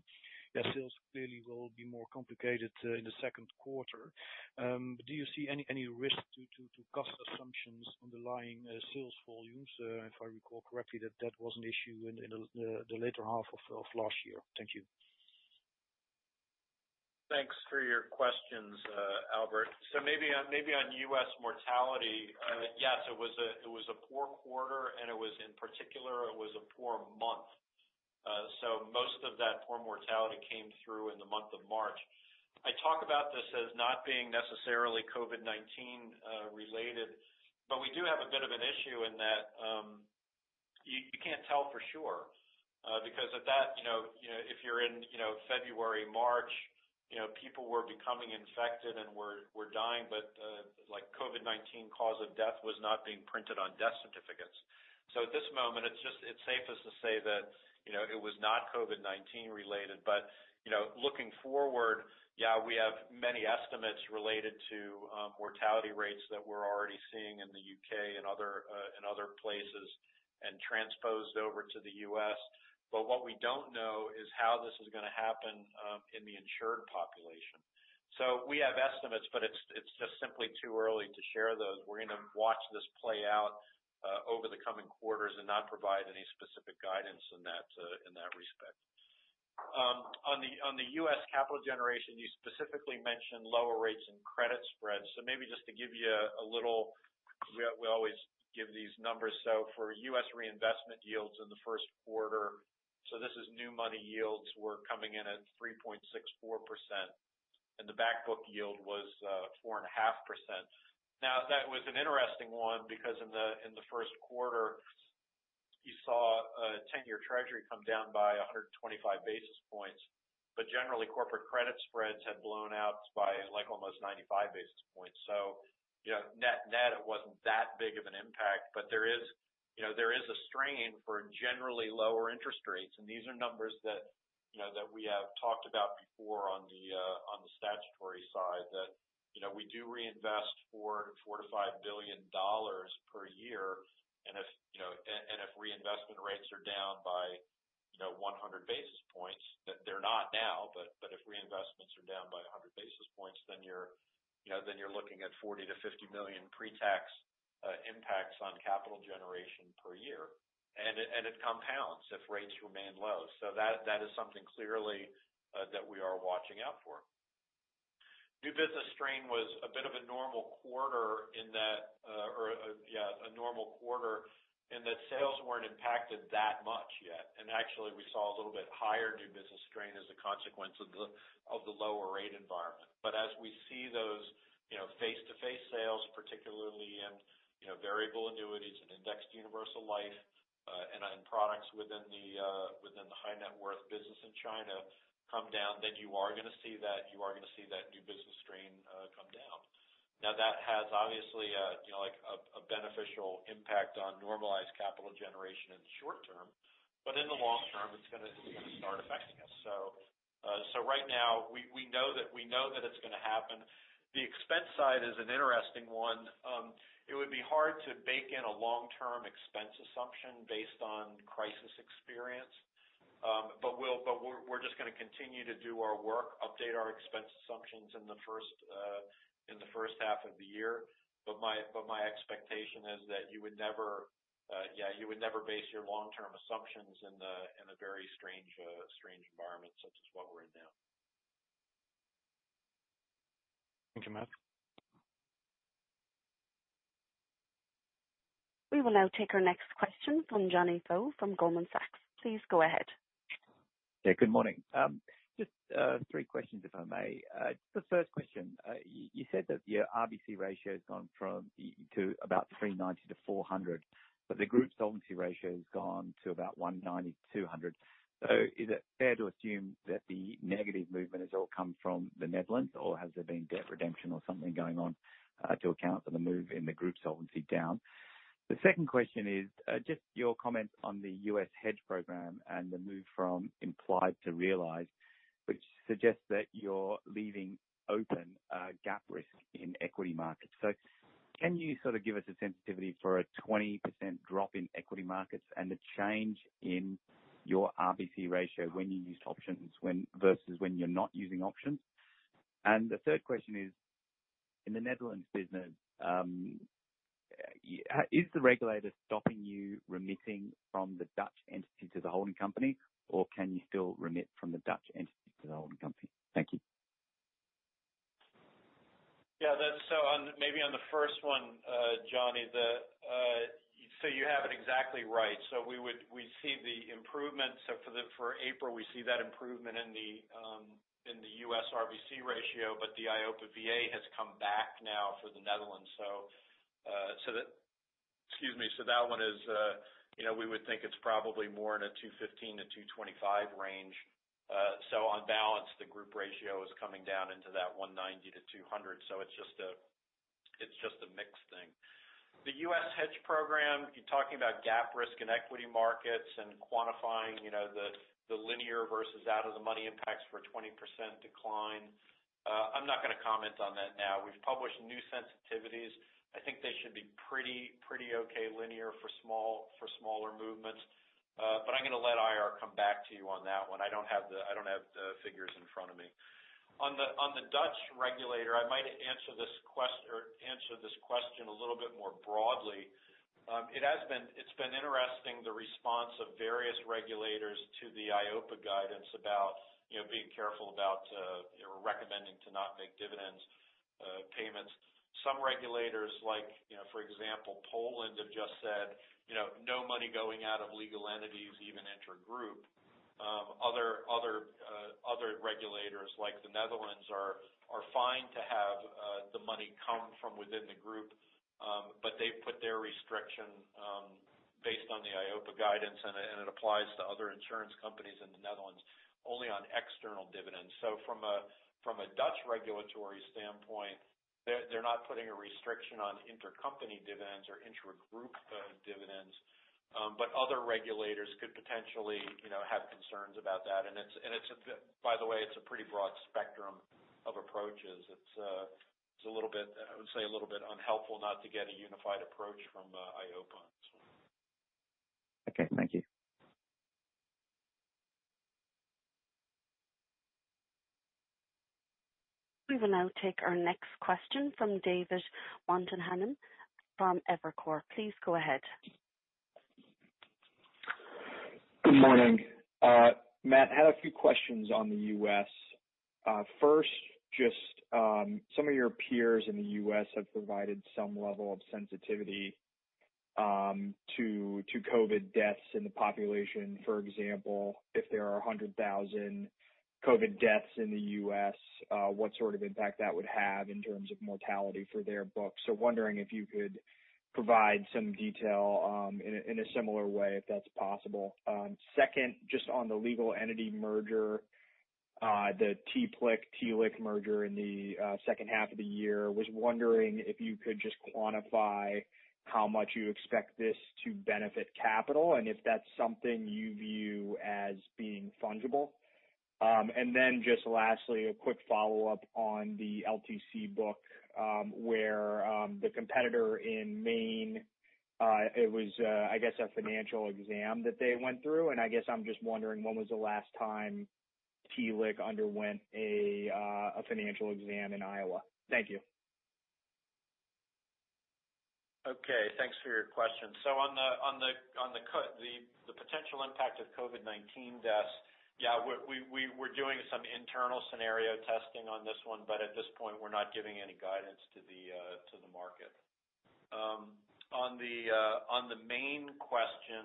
The sales clearly will be more complicated in the second quarter. Do you see any risk to cost assumptions underlying sales volumes? If I recall correctly, that was an issue in the latter half of last year. Thank you. Thanks for your questions, Albert. So maybe on U.S. mortality. Yes, it was a poor quarter, and in particular, it was a poor month. So most of that poor mortality came through in the month of March. I talk about this as not being necessarily COVID-19 related, but we do have a bit of an issue in that you can't tell for sure, because at that, you know, if you're in February, March, you know, people were becoming infected and were dying, but like COVID-19 cause of death was not being printed on death certificates. So at this moment, it's safest to say that, you know, it was not COVID-19 related. But, you know, looking forward, yeah, we have many estimates related to mortality rates that we're already seeing in the U.K. and other places, and transposed over to the U.S. But what we don't know is how this is going to happen in the insured population. So we have estimates, but it's just simply too early to share those. We're going to watch this play out over the coming quarters and not provide any specific guidance in that respect. On the U.S. capital generation, you specifically mentioned lower rates and credit spreads. So maybe just to give you a little... We always give these numbers. For US reinvestment yields in the first quarter, this is new money yields were coming in at 3.64%, and the back book yield was four and a half percent. Now, that was an interesting one because in the first quarter, you saw a 10-year Treasury come down by 125 basis points. But generally, corporate credit spreads had blown out by like almost 95 basis points. So, you know, net, it wasn't that big of an impact, but there is, you know, a strain for generally lower interest rates. And these are numbers that, you know, that we have talked about before on the statutory side, that, you know, we do reinvest $4-$5 billion per year. And if, you know, reinvestment rates are down by, you know, 100 basis points, that they're not now, but if reinvestments are down by a hundred basis points, then you're, you know, looking at 40-50 million pre-tax impacts on capital generation per year. And it compounds if rates remain low. So that is something clearly that we are watching out for. New business strain was a bit of a normal quarter in that, or, yeah, a normal quarter, in that sales weren't impacted that much yet. And actually, we saw a little bit higher new business strain as a consequence of the lower rate environment. But as we see those, you know, face-to-face sales, particularly in, you know, variable annuities and indexed universal life, and in products within the high-net-worth business in China, come down, then you are going to see that new business strain come down. Now, that has obviously a, you know, like a beneficial impact on normalized capital generation in the short term, but in the long term, it's going to start affecting us. So right now, we know that it's going to happen. The expense side is an interesting one. It would be hard to bake in a long-term expense assumption based on crisis experience. But we're just going to continue to do our work, update our expense assumptions in the first half of the year. But my expectation is that you would never base your long-term assumptions in a very strange environment such as what we're in now. Thank you, Matt. We will now take our next question from Johnny Vo from Goldman Sachs. Please go ahead. Yeah, good morning. Just three questions, if I may. The first question, you said that your RBC ratio has gone from 390-400, but the group solvency ratio has gone to about 190-200. So is it fair to assume that the negative movement has all come from the Netherlands, or has there been debt redemption or something going on to account for the move in the group solvency down? The second question is just your comments on the U.S. hedge program and the move from implied to realized, which suggests that you're leaving open gap risk in equity markets. So can you sort of give us a sensitivity for a 20% drop in equity markets and the change in your RBC ratio when you use options versus when you're not using options? The third question is, in the Netherlands business, is the regulator stopping you remitting from the Dutch entity to the holding company, or can you still remit from the Dutch entity to the holding company? Thank you. Yeah, that's spot on, maybe on the first one, Johnny, the, so you have it exactly right. So we see the improvements. So for the, for April, we see that improvement in the, in the U.S. RBC ratio, but the EIOPA VA has come back now for the Netherlands. So that one is, you know, we would think it's probably more in a 215 to 225 range. So on balance, the group ratio is coming down into that 190 to 200. So it's just a mix thing. The U.S. hedge program, you're talking about gap risk in equity markets and quantifying, you know, the linear versus out of the money impacts for a 20% decline. I'm not going to comment on that now. We've published new sensitivities. I think they should be pretty okay linear for smaller movements, but I'm going to let IR come back to you on that one. I don't have the figures in front of me. On the Dutch regulator, I might answer this question a little bit more broadly. It has been interesting, the response of various regulators to the EIOPA guidance about, you know, being careful about, you know, recommending to not make dividend payments. Some regulators, like, you know, for example, Poland, have just said, you know, "No money going out of legal entities, even intergroup." Other regulators, like the Netherlands, are fine to have the money come from within the group, but they've put their restriction based on the EIOPA guidance, and it applies to other insurance companies in the Netherlands, only on external dividends. So from a Dutch regulatory standpoint, they're not putting a restriction on intercompany dividends or intragroup dividends, but other regulators could potentially, you know, have concerns about that. And it's, by the way, a pretty broad spectrum of approaches. It's a little bit, I would say, a little bit unhelpful not to get a unified approach from EIOPA on this one. Okay, thank you. We will now take our next question from David Motemaden from Evercore. Please go ahead. Good morning. Matt, I had a few questions on the US. First, just, some of your peers in the US have provided some level of sensitivity to COVID deaths in the population. For example, if there are 100,000 COVID deaths in the US, what sort of impact that would have in terms of mortality for their books? So wondering if you could provide some detail in a similar way, if that's possible. Second, just on the legal entity merger, the TPLIC, TLIC merger in the second half of the year, was wondering if you could just quantify how much you expect this to benefit capital, and if that's something you view as being fungible. And then just lastly, a quick follow-up on the LTC book, where the competitor in Maine, it was, I guess, a financial exam that they went through, and I guess I'm just wondering, when was the last time TLIC underwent a financial exam in Iowa? Thank you. Okay, thanks for your question. So on the potential impact of COVID-19 deaths, yeah, we're doing some internal scenario testing on this one, but at this point, we're not giving any guidance to the market. On the main question,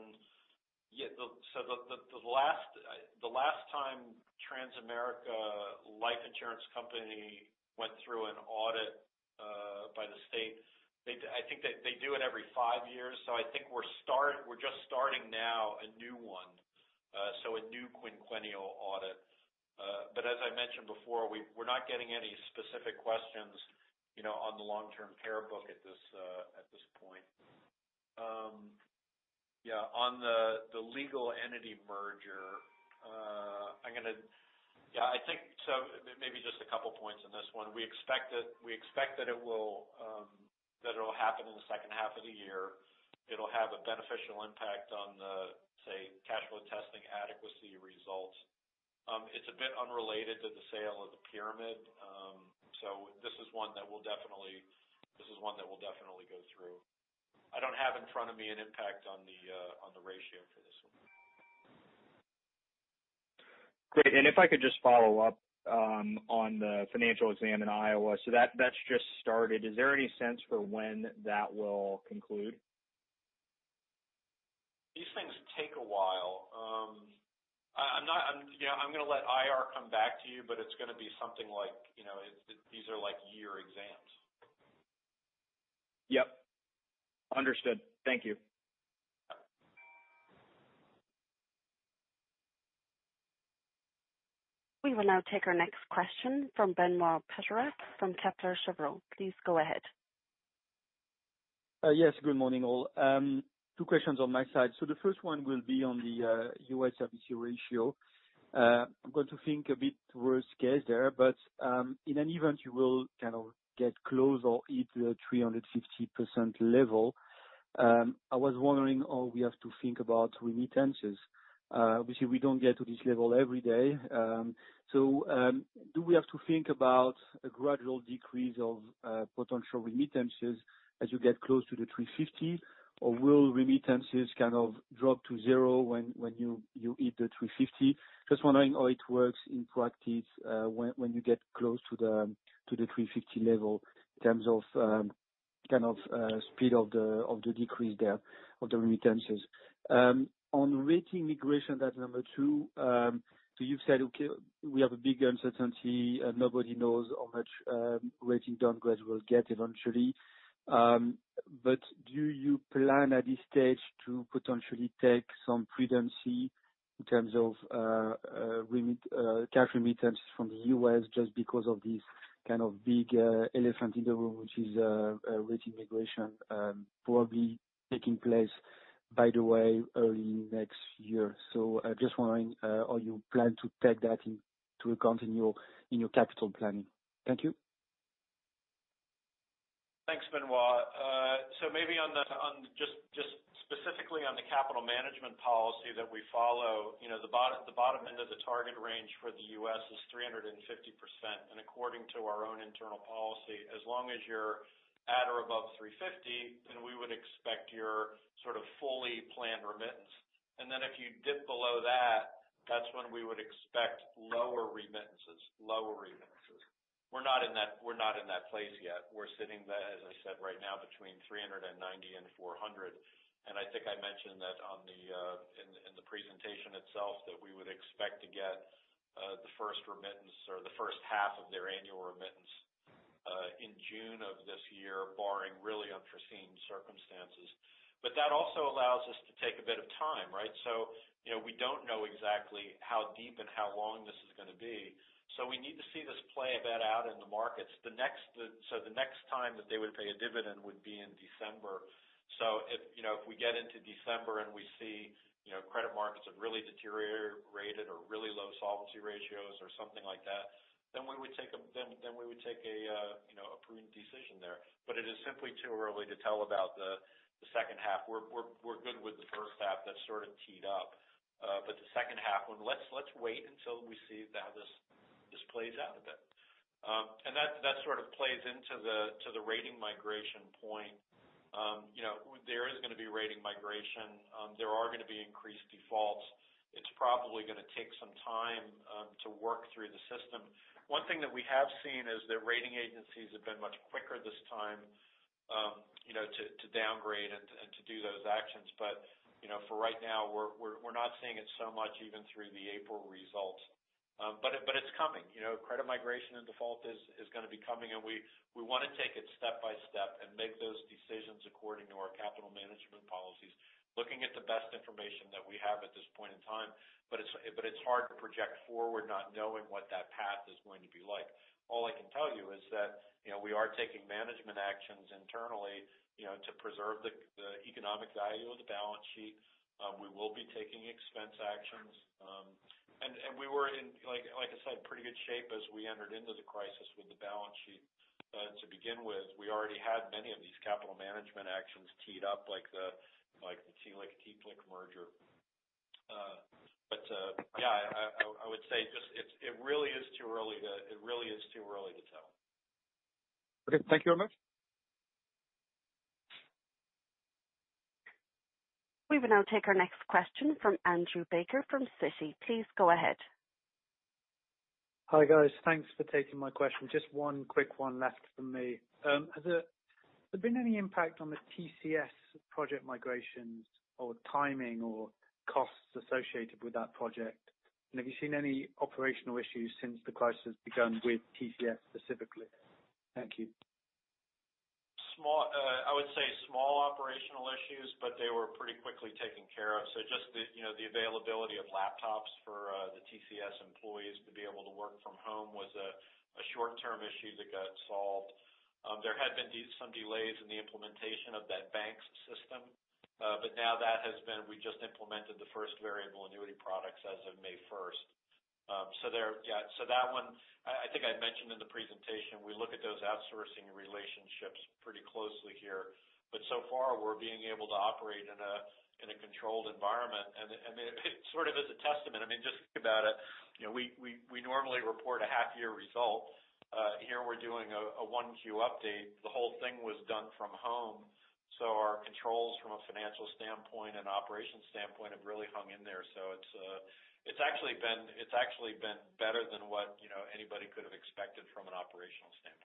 yeah, so the last time Transamerica Life Insurance Company went through an audit by the state, I think they do it every five years, so I think we're just starting now a new one, so a new quinquennial audit. But as I mentioned before, we're not getting any specific questions, you know, on the long-term care book at this point. Yeah, on the legal entity merger, I'm gonna... Yeah, I think so. Maybe just a couple of points on this one. We expect that it will happen in the second half of the year. It'll have a beneficial impact on the, say, asset adequacy testing results. It's a bit unrelated to the sale of the Pyramid, so this is one that will definitely go through. I don't have in front of me an impact on the ratio for this one. Great. And if I could just follow up on the financial exam in Iowa. So that, that's just started. Is there any sense for when that will conclude? These things take a while. I'm not, you know, I'm gonna let IR come back to you, but it's gonna be something like, you know, these are like year exams. Yep. Understood. Thank you. We will now take our next question from Benoit Pétrarque from Kepler Cheuvreux. Please go ahead. Yes, good morning, all. Two questions on my side. So the first one will be on the US RBC ratio. I'm going to think a bit worst case there, but in an event, you will kind of get close or hit the 350% level. I was wondering, all we have to think about remittances. Obviously, we don't get to this level every day. So, do we have to think about a gradual decrease of potential remittances as you get close to the 350, or will remittances kind of drop to zero when you hit the 350? Just wondering how it works in practice, when you get close to the 350 level in terms of kind of speed of the decrease there, of the remittances. On rating migration, that's number two. So you've said, okay, we have a big uncertainty and nobody knows how much rating downgrade will get eventually. But do you plan at this stage to potentially take some prudency in terms of cash remittances from the US just because of this kind of big elephant in the room, which is rating migration, probably taking place, by the way, early next year? So I just wondering how you plan to take that into account in your capital planning. Thank you. Thanks, Benoit. So maybe just specifically on the capital management policy that we follow, you know, the bottom end of the target range for the U.S. is 350%. And according to our own internal policy, as long as you're at or above 350, then we would expect your sort of fully planned remittance. And then if you dip below that, that's when we would expect lower remittances. We're not in that place yet. We're sitting, as I said, right now between 390 and 400, and I think I mentioned that in the presentation itself, that we would expect to get the first remittance or the first half of their annual remittance in June of this year, barring really unforeseen circumstances. But that also allows us to take a bit of time, right? So, you know, we don't know exactly how deep and how long this is going to be, so we need to see this play a bit out in the markets. So the next time that they would pay a dividend would be in December. So if, you know, if we get into December and we see, you know, credit markets have really deteriorated or really low solvency ratios or something like that, then we would take, you know, a prudent decision there. But it is simply too early to tell about the second half. We're good with the first half, that's sort of teed up. But the second half, well, let's wait until we see how this plays out a bit. That sort of plays into the rating migration point. You know, there is going to be rating migration. There are going to be increased defaults. It's probably going to take some time to work through the system. One thing that we have seen is that rating agencies have been much quicker this time, you know, to downgrade and to do those actions. But you know, for right now, we're not seeing it so much even through the April results. But it's coming. You know, credit migration and default is going to be coming, and we want to take it step by step and make those decisions according to our capital management policies, looking at the best information that we have at this point in time. But it's hard to project forward not knowing what that path is going to be like. All I can tell you is that, you know, we are taking management actions internally, you know, to preserve the economic value of the balance sheet. We will be taking expense actions. And we were in like I said, pretty good shape as we entered into the crisis with the balance sheet. To begin with, we already had many of these capital management actions teed up, like the TLIC merger. But yeah, I would say it's really too early to tell. Okay. Thank you very much. We will now take our next question from Andrew Baker, from Citi. Please go ahead. Hi, guys. Thanks for taking my question. Just one quick one left for me. Has there been any impact on the TCS project migrations or timing or costs associated with that project? And have you seen any operational issues since the crisis begun with TCS specifically? Thank you. Small, I would say small operational issues, but they were pretty quickly taken care of. So just the, you know, the availability of laptops for the TCS employees to be able to work from home was a short-term issue that got solved. There had been some delays in the implementation of that BaNCS system, but now that has been. We just implemented the first variable annuity products as of May first. So there, yeah, so that one, I think I mentioned in the presentation, we look at those outsourcing relationships pretty closely here, but so far, we're being able to operate in a controlled environment, and I mean, it sort of is a testament. I mean, just think about it, you know, we normally report a half year result. Here we're doing a one-Q update. The whole thing was done from home, so our controls from a financial standpoint and operations standpoint have really hung in there. So it's actually been better than what, you know, anybody could have expected from an operational standpoint.